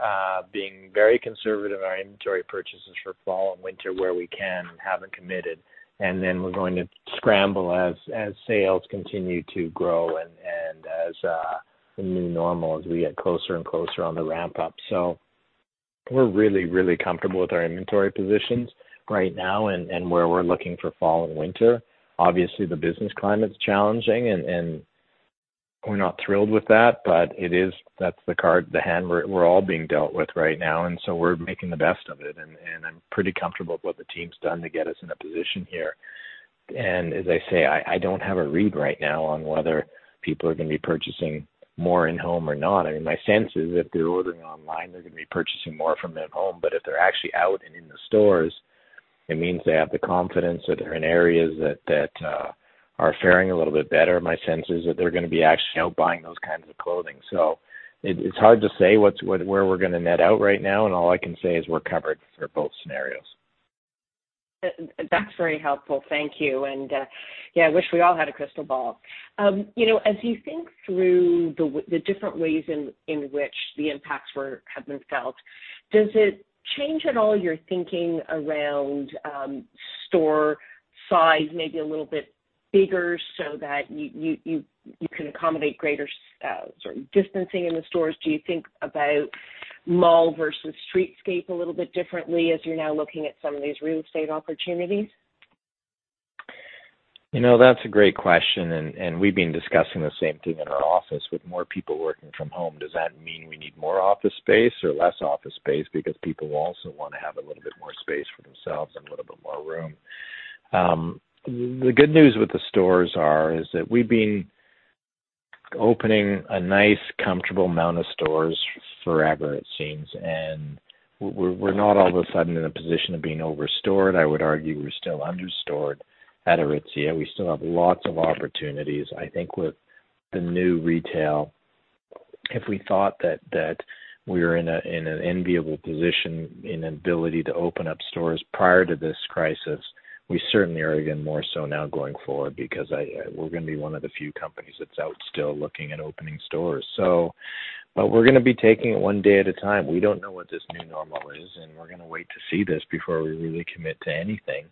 being very conservative in our inventory purchases for fall and winter where we can and haven't committed, and then we're going to scramble as sales continue to grow and as the new normal, as we get closer and closer on the ramp up. We're really, really comfortable with our inventory positions right now and where we're looking for fall and winter. Obviously, the business climate's challenging, and we're not thrilled with that. That's the hand we're all being dealt with right now. We're making the best of it. I'm pretty comfortable with what the team's done to get us in a position here. As I say, I don't have a read right now on whether people are going to be purchasing more in-home or not. I mean, my sense is if they're ordering online, they're going to be purchasing more from at home, but if they're actually out and in the stores, it means they have the confidence that they're in areas that are faring a little bit better. My sense is that they're going to be actually out buying those kinds of clothing. It's hard to say where we're going to net out right now, and all I can say is we're covered for both scenarios. That's very helpful. Thank you. Yeah, I wish we all had a crystal ball. As you think through the different ways in which the impacts have been felt, does it change at all your thinking around store size maybe a little bit bigger so that you can accommodate greater sort of distancing in the stores? Do you think about mall versus streetscape a little bit differently as you're now looking at some of these real estate opportunities? That's a great question. We've been discussing the same thing in our office. With more people working from home, does that mean we need more office space or less office space because people also want to have a little bit more space for themselves and a little bit more room? The good news with the stores are is that we've been opening a nice comfortable amount of stores forever, it seems, and we're not all of a sudden in a position of being over-stored. I would argue we're still under-stored at Aritzia. We still have lots of opportunities. I think with the new retail, if we thought that we were in an enviable position and ability to open up stores prior to this crisis, we certainly are again more so now going forward because we're going to be one of the few companies that's out still looking and opening stores. We're going to be taking it one day at a time. We don't know what this new normal is. We're going to wait to see this before we really commit to anything.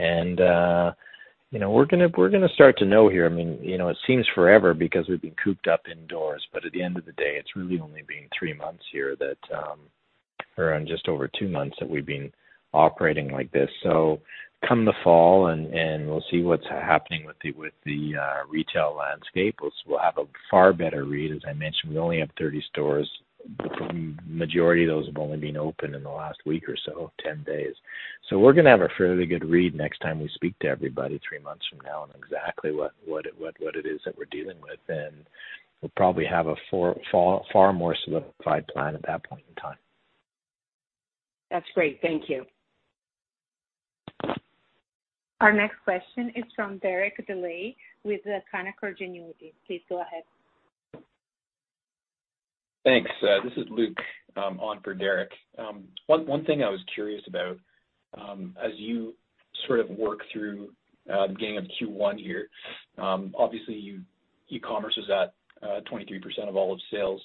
We're going to start to know here, it seems forever because we've been cooped up indoors. At the end of the day, it's really only been three months here that, or just over two months, that we've been operating like this. Come the fall, we'll see what's happening with the retail landscape. We'll have a far better read. As I mentioned, we only have 30 stores. Majority of those have only been open in the last week or so, 10 days. We're going to have a fairly good read next time we speak to everybody three months from now on exactly what it is that we're dealing with, and we'll probably have a far more solidified plan at that point in time. That's great. Thank you. Our next question is from Derek Dley with Canaccord Genuity. Please go ahead. Thanks. This is Luke, on for Derek. One thing I was curious about, as you sort of work through the beginning of Q1 here, obviously e-commerce was at 23% of all of sales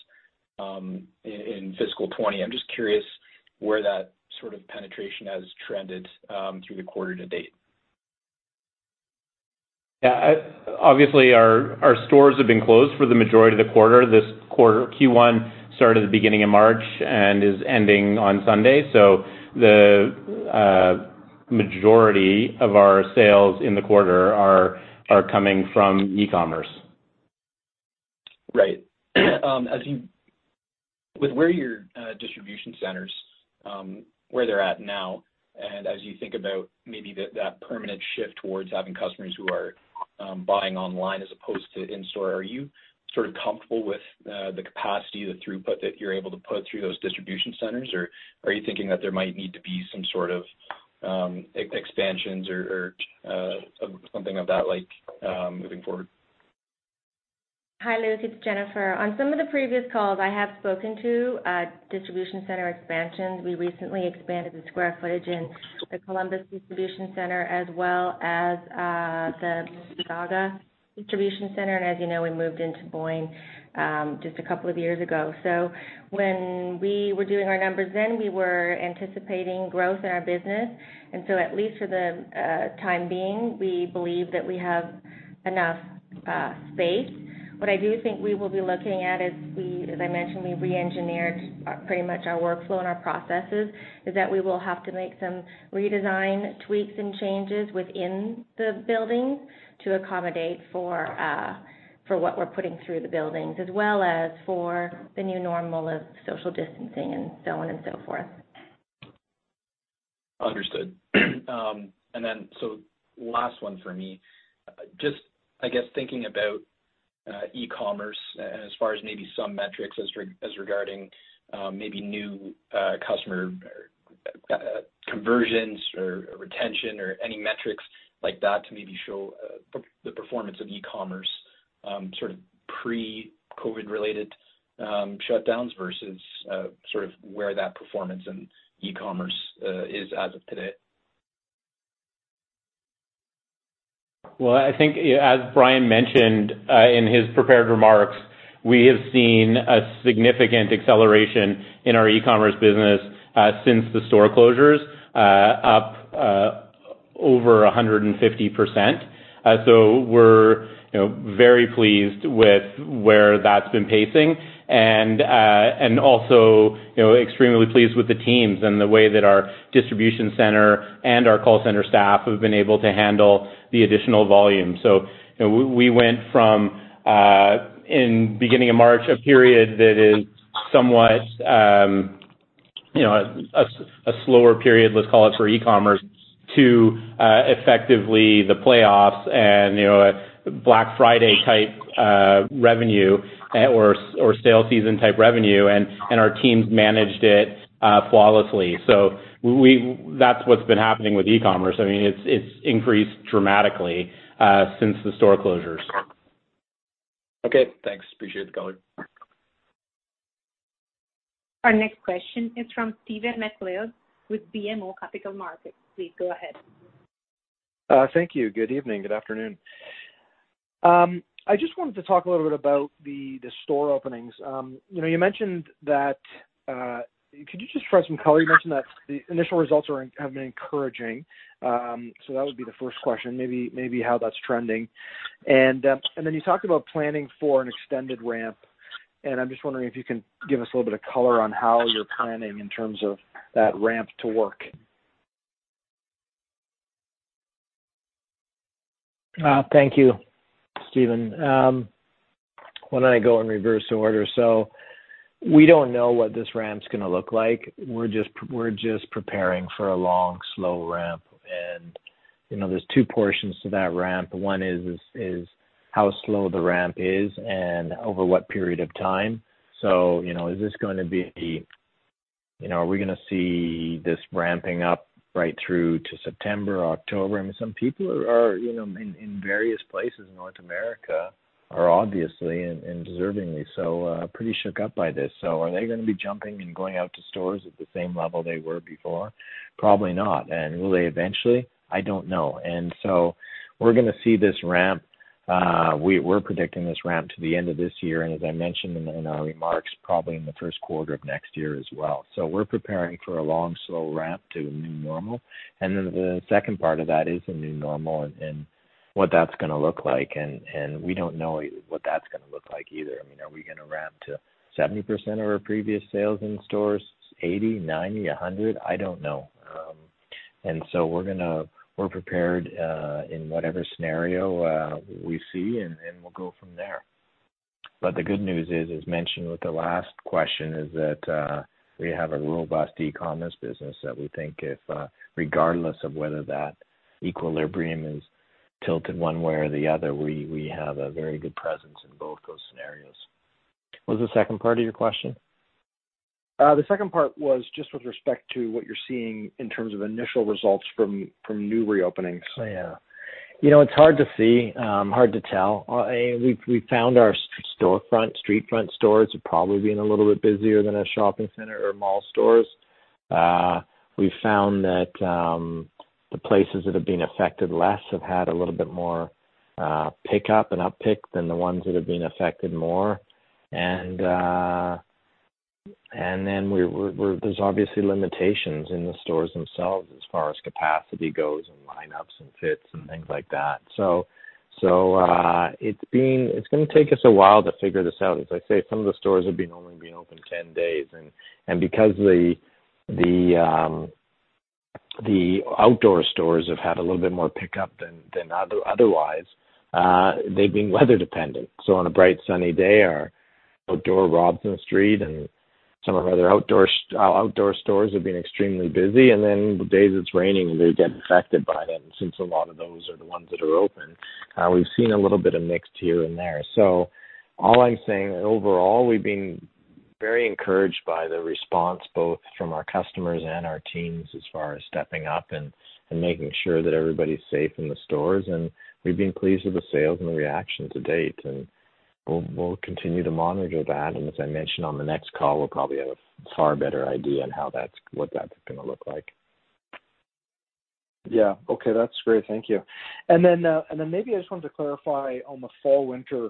in fiscal 2020. I'm just curious where that sort of penetration has trended through the quarter to date. Obviously our stores have been closed for the majority of the quarter. This quarter, Q1, started at the beginning of March and is ending on Sunday. The majority of our sales in the quarter are coming from e-commerce. Right. With where your distribution centers, where they're at now, and as you think about maybe that permanent shift towards having customers who are buying online as opposed to in-store, are you sort of comfortable with the capacity, the throughput that you're able to put through those distribution centers? Are you thinking that there might need to be some sort of expansions or something of that like, moving forward? Hi, Luke. It's Jennifer. On some of the previous calls, I have spoken to distribution center expansions. We recently expanded the square footage in the Columbus distribution center as well as the Mississauga distribution center. As you know, we moved into Boyne just a couple of years ago. When we were doing our numbers then, we were anticipating growth in our business, at least for the time being, we believe that we have enough space. What I do think we will be looking at is, as I mentioned, we reengineered pretty much our workflow and our processes, is that we will have to make some redesign tweaks and changes within the building to accommodate for what we're putting through the buildings as well as for the new normal of social distancing and so on and so forth. Understood. Last one for me. Just, I guess, thinking about e-commerce and as far as maybe some metrics as regarding maybe new customer conversions or retention or any metrics like that to maybe show the performance of e-commerce sort of pre-COVID related shutdowns versus sort of where that performance in e-commerce is as of today? I think as Brian mentioned in his prepared remarks, we have seen a significant acceleration in our e-commerce business since the store closures, up over 150%. We're very pleased with where that's been pacing and also extremely pleased with the teams and the way that our distribution center and our call center staff have been able to handle the additional volume. We went from, in beginning of March, a period that is somewhat a slower period, let's call it, for e-commerce to effectively the playoffs and Black Friday type revenue or sale season type revenue, and our teams managed it flawlessly. That's what's been happening with e-commerce. It's increased dramatically since the store closures. Okay, thanks. Appreciate the call. Our next question is from Stephen MacLeod with BMO Capital Markets. Please go ahead Thank you. Good evening, good afternoon. I just wanted to talk a little bit about the store openings. Could you just provide some color? You mentioned that the initial results have been encouraging, so that would be the first question, maybe how that's trending. You talked about planning for an extended ramp, and I'm just wondering if you can give us a little bit of color on how you're planning in terms of that ramp to work. Thank you, Stephen. Why don't I go in reverse order? We don't know what this ramp's going to look like. We're just preparing for a long, slow ramp. There's two portions to that ramp. One is how slow the ramp is and over what period of time. Are we going to see this ramping up right through to September, October? Some people are in various places in North America are obviously, and deservingly so, pretty shook up by this. Are they going to be jumping and going out to stores at the same level they were before? Probably not. Will they eventually? I don't know. We're going to see this ramp. We're predicting this ramp to the end of this year, and as I mentioned in our remarks, probably in the Q1 of next year as well. We're preparing for a long, slow ramp to a new normal. Then the second part of that is a new normal and what that's going to look like, and we don't know what that's going to look like either. Are we going to ramp to 70% of our previous sales in stores, 80, 90, 100? I don't know. We're prepared in whatever scenario we see, and we'll go from there. The good news is, as mentioned with the last question, is that we have a robust e-commerce business that we think if, regardless of whether that equilibrium is tilted one way or the other, we have a very good presence in both those scenarios. What was the second part of your question? The second part was just with respect to what you're seeing in terms of initial results from new reopenings? Yeah. It's hard to see, hard to tell. We found our storefront, street front stores are probably being a little bit busier than our shopping center or mall stores. We found that the places that have been affected less have had a little bit more pickup and uptick than the ones that have been affected more. There's obviously limitations in the stores themselves as far as capacity goes and lineups and fits and things like that. It's going to take us a while to figure this out. As I say, some of the stores have only been open 10 days. Because the outdoor stores have had a little bit more pickup than otherwise, they've been weather dependent. On a bright, sunny day, our outdoor Robson Street and some of our other outdoor stores have been extremely busy. Then the days it's raining, they get affected by that, and since a lot of those are the ones that are open, we've seen a little bit of mix here and there. All I'm saying is overall, we've been very encouraged by the response, Both from our customers and our teams as far as stepping up and making sure that everybody's safe in the stores, and we've been pleased with the sales and the reaction to date, and we'll continue to monitor that. As I mentioned on the next call, we'll probably have a far better idea on what that's going to look like. Yeah. Okay. That's great. Thank you. Maybe I just wanted to clarify on the fall and winter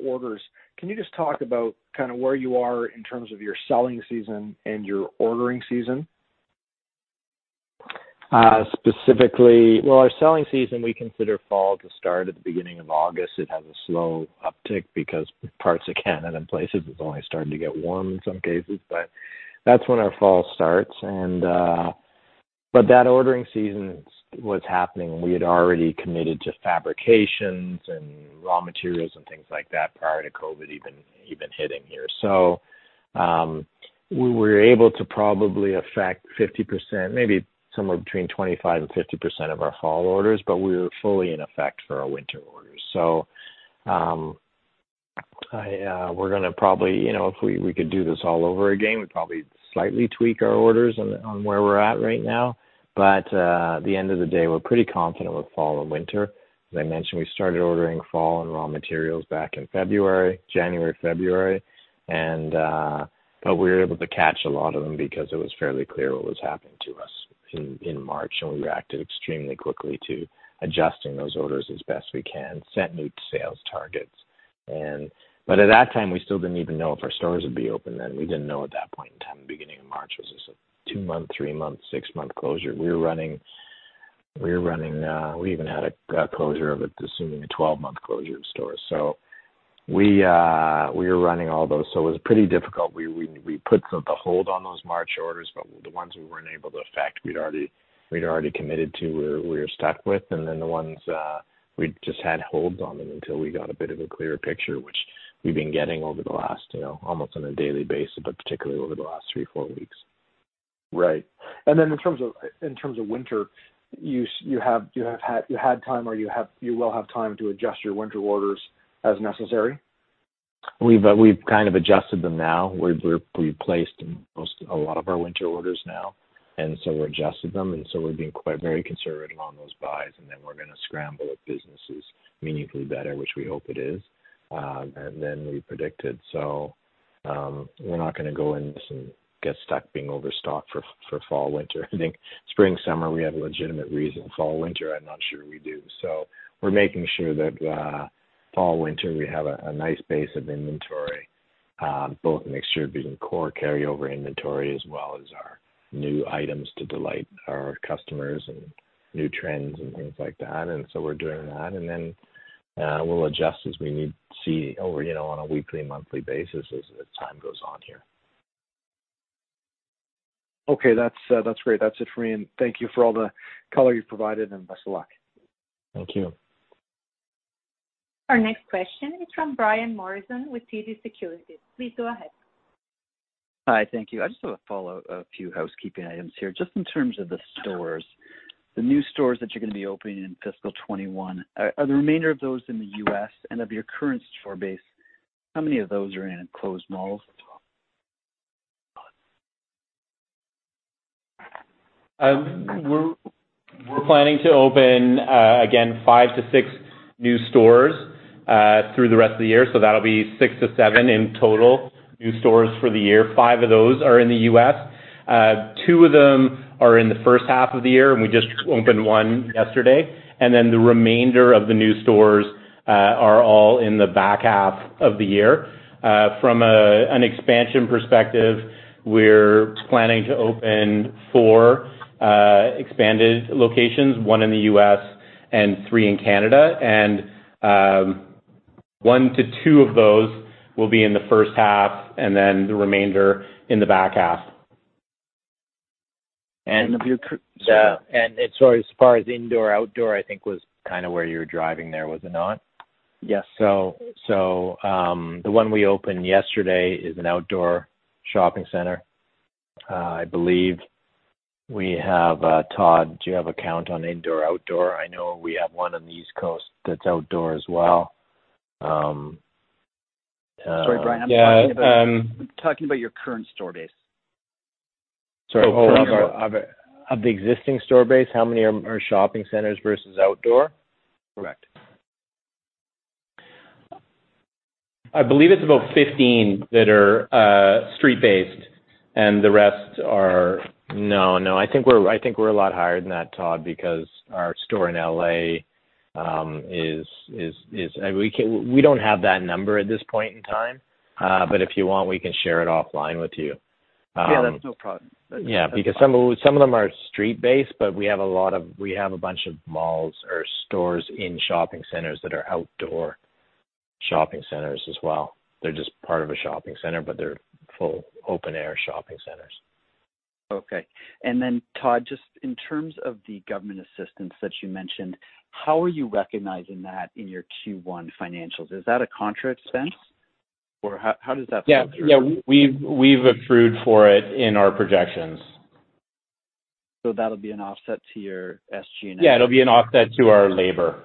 orders. Can you just talk about where you are in terms of your selling season and your ordering season? Well, our selling season, we consider fall to start at the beginning of August. It has a slow uptick because parts of Canada in places is only starting to get warm in some cases, that's when our fall starts. That ordering season was happening, we had already committed to fabrications and raw materials and things like that prior to COVID-19 even hitting here. We were able to probably affect 50%, maybe somewhere between 25% and 50% of our fall orders, we were fully in effect for our winter orders. If we could do this all over again, we'd probably slightly tweak our orders on where we're at right now. At the end of the day, we're pretty confident with fall and winter. As I mentioned, we started ordering fall and raw materials back in January, February. We were able to catch a lot of them because it was fairly clear what was happening to us in March, and we reacted extremely quickly to adjusting those orders as best we can, set new sales targets. At that time, we still didn't even know if our stores would be open then. We didn't know at that point in time, the beginning of March, was this a two-month, three-month, six-month closure? We even had a closure of assuming a 12-month closure of stores. We were running all those, so it was pretty difficult. We put the hold on those March orders, but the ones we weren't able to affect, we'd already committed to, we were stuck with. The ones we just had holds on them until we got a bit of a clearer picture, which we've been getting over the last, almost on a daily basis, but particularly over the last three, four weeks. Right. In terms of winter, you had time, or you will have time to adjust your winter orders as necessary? We've kind of adjusted them now. We've replaced a lot of our winter orders now, and so we adjusted them, and so we're being very conservative on those buys, and then we're going to scramble if business is meaningfully better, which we hope it is, than we predicted. We're not going to go into this and get stuck being overstocked for fall and winter. I think spring and summer, we have a legitimate reason. Fall and winter, I'm not sure we do. We're making sure that fall and winter, we have a nice base of inventory, both mixture being core carryover inventory, as well as our new items to delight our customers and new trends and things like that. We're doing that, and then we'll adjust as we need see on a weekly, monthly basis as time goes on here. Okay, that's great. That's it for me. Thank you for all the color you've provided. Best of luck. Thank you. Our next question is from Brian Morrison with TD Securities. Please go ahead. Hi, thank you. I just have a few housekeeping items here. Just in terms of the stores, the new stores that you're going to be opening in fiscal 2021, are the remainder of those in the U.S.? Of your current store base, how many of those are in enclosed malls? We're planning to open, again, five to six new stores through the rest of the year. That'll be six to seven in total new stores for the year. Five of those are in the U.S. Two of them are in the first half of the year, and we just opened one yesterday. The remainder of the new stores are all in the back half of the year. From an expansion perspective, we're planning to open four expanded locations, one in the U.S. and three in Canada. One to two of those will be in the first half, the remainder in the back half. As far as indoor, outdoor, I think was where you were driving there, was it not? Yes. The one we opened yesterday is an outdoor shopping center. I believe we have Todd, do you have a count on indoor, outdoor? I know we have one on the East Coast that's outdoor as well. Sorry, Brian, I'm talking about your current store base. Sorry. Of the existing store base, how many are shopping centers versus outdoor? Correct. I believe it's about 15 that are street-based, and the rest are. No, I think we're a lot higher than that, Todd. We don't have that number at this point in time. If you want, we can share it offline with you. Yeah, that's no problem. Yeah, because some of them are street-based, but we have a bunch of malls or stores in shopping centers that are outdoor shopping centers as well. They're just part of a shopping center, but they're full open air shopping centers. Okay. Todd, just in terms of the government assistance that you mentioned, how are you recognizing that in your Q1 financials? Is that a contra expense, or how does that factor? Yeah. We've accrued for it in our projections. That'll be an offset to your SG&A? Yeah, it'll be an offset to our labor.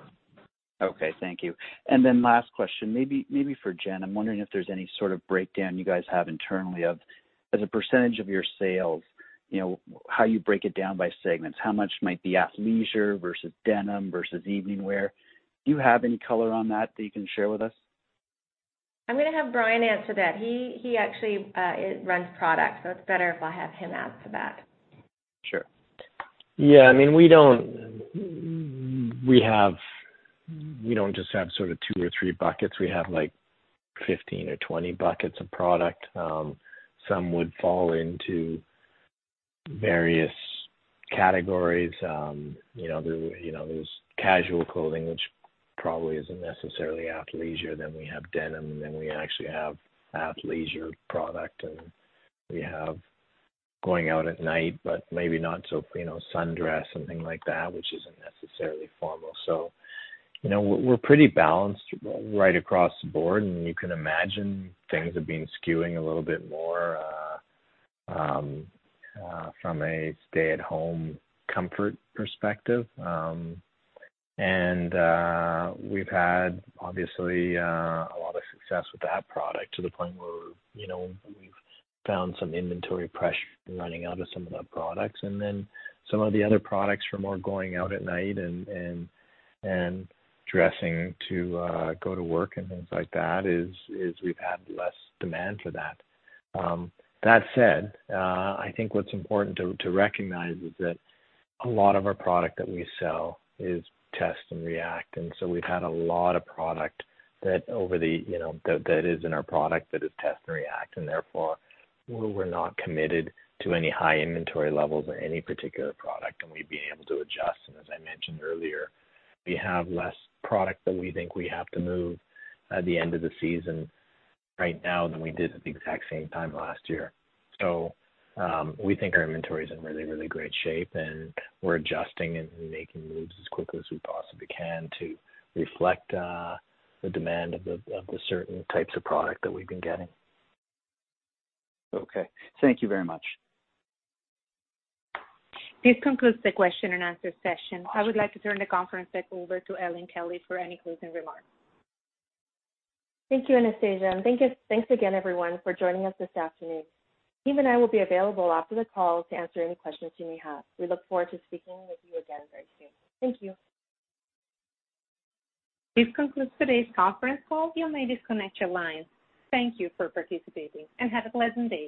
Okay, thank you. Last question, maybe for Jennifer. I'm wondering if there's any sort of breakdown you guys have internally of, as a % of your sales, how you break it down by segments. How much might be athleisure versus denim versus evening wear? Do you have any color on that you can share with us? I'm going to have Brian answer that. He actually runs product, so it's better if I have him answer that. Sure. We don't just have sort of two or three buckets. We have 15 or 20 buckets of product. Some would fall into various categories. There's casual clothing, which probably isn't necessarily athleisure. We have denim, we actually have athleisure product, we have going out at night, maybe not sundress, something like that, which isn't necessarily formal. We're pretty balanced right across the board, you can imagine things have been skewing a little bit more from a stay-at-home comfort perspective. We've had, obviously, a lot of success with that product to the point where we've found some inventory pressure running out of some of the products. Some of the other products for more going out at night and dressing to go to work and things like that is we've had less demand for that. That said, I think what's important to recognize is that a lot of our product that we sell is test and react, we've had a lot of product that is in our product that is test and react, and therefore, we're not committed to any high inventory levels or any particular product, and we've been able to adjust. As I mentioned earlier, we have less product that we think we have to move at the end of the season right now than we did at the exact same time last year. We think our inventory is in really, really great shape, and we're adjusting and making moves as quickly as we possibly can to reflect the demand of the certain types of product that we've been getting. Okay. Thank you very much. This concludes the question and answer session. I would like to turn the conference back over to Helen Kelly for any closing remarks. Thank you, Anastasia. Thanks again, everyone, for joining us this afternoon. Steve and I will be available after the call to answer any questions you may have. We look forward to speaking with you again very soon. Thank you. This concludes today's conference call. You may disconnect your lines. Thank you for participating, and have a pleasant day.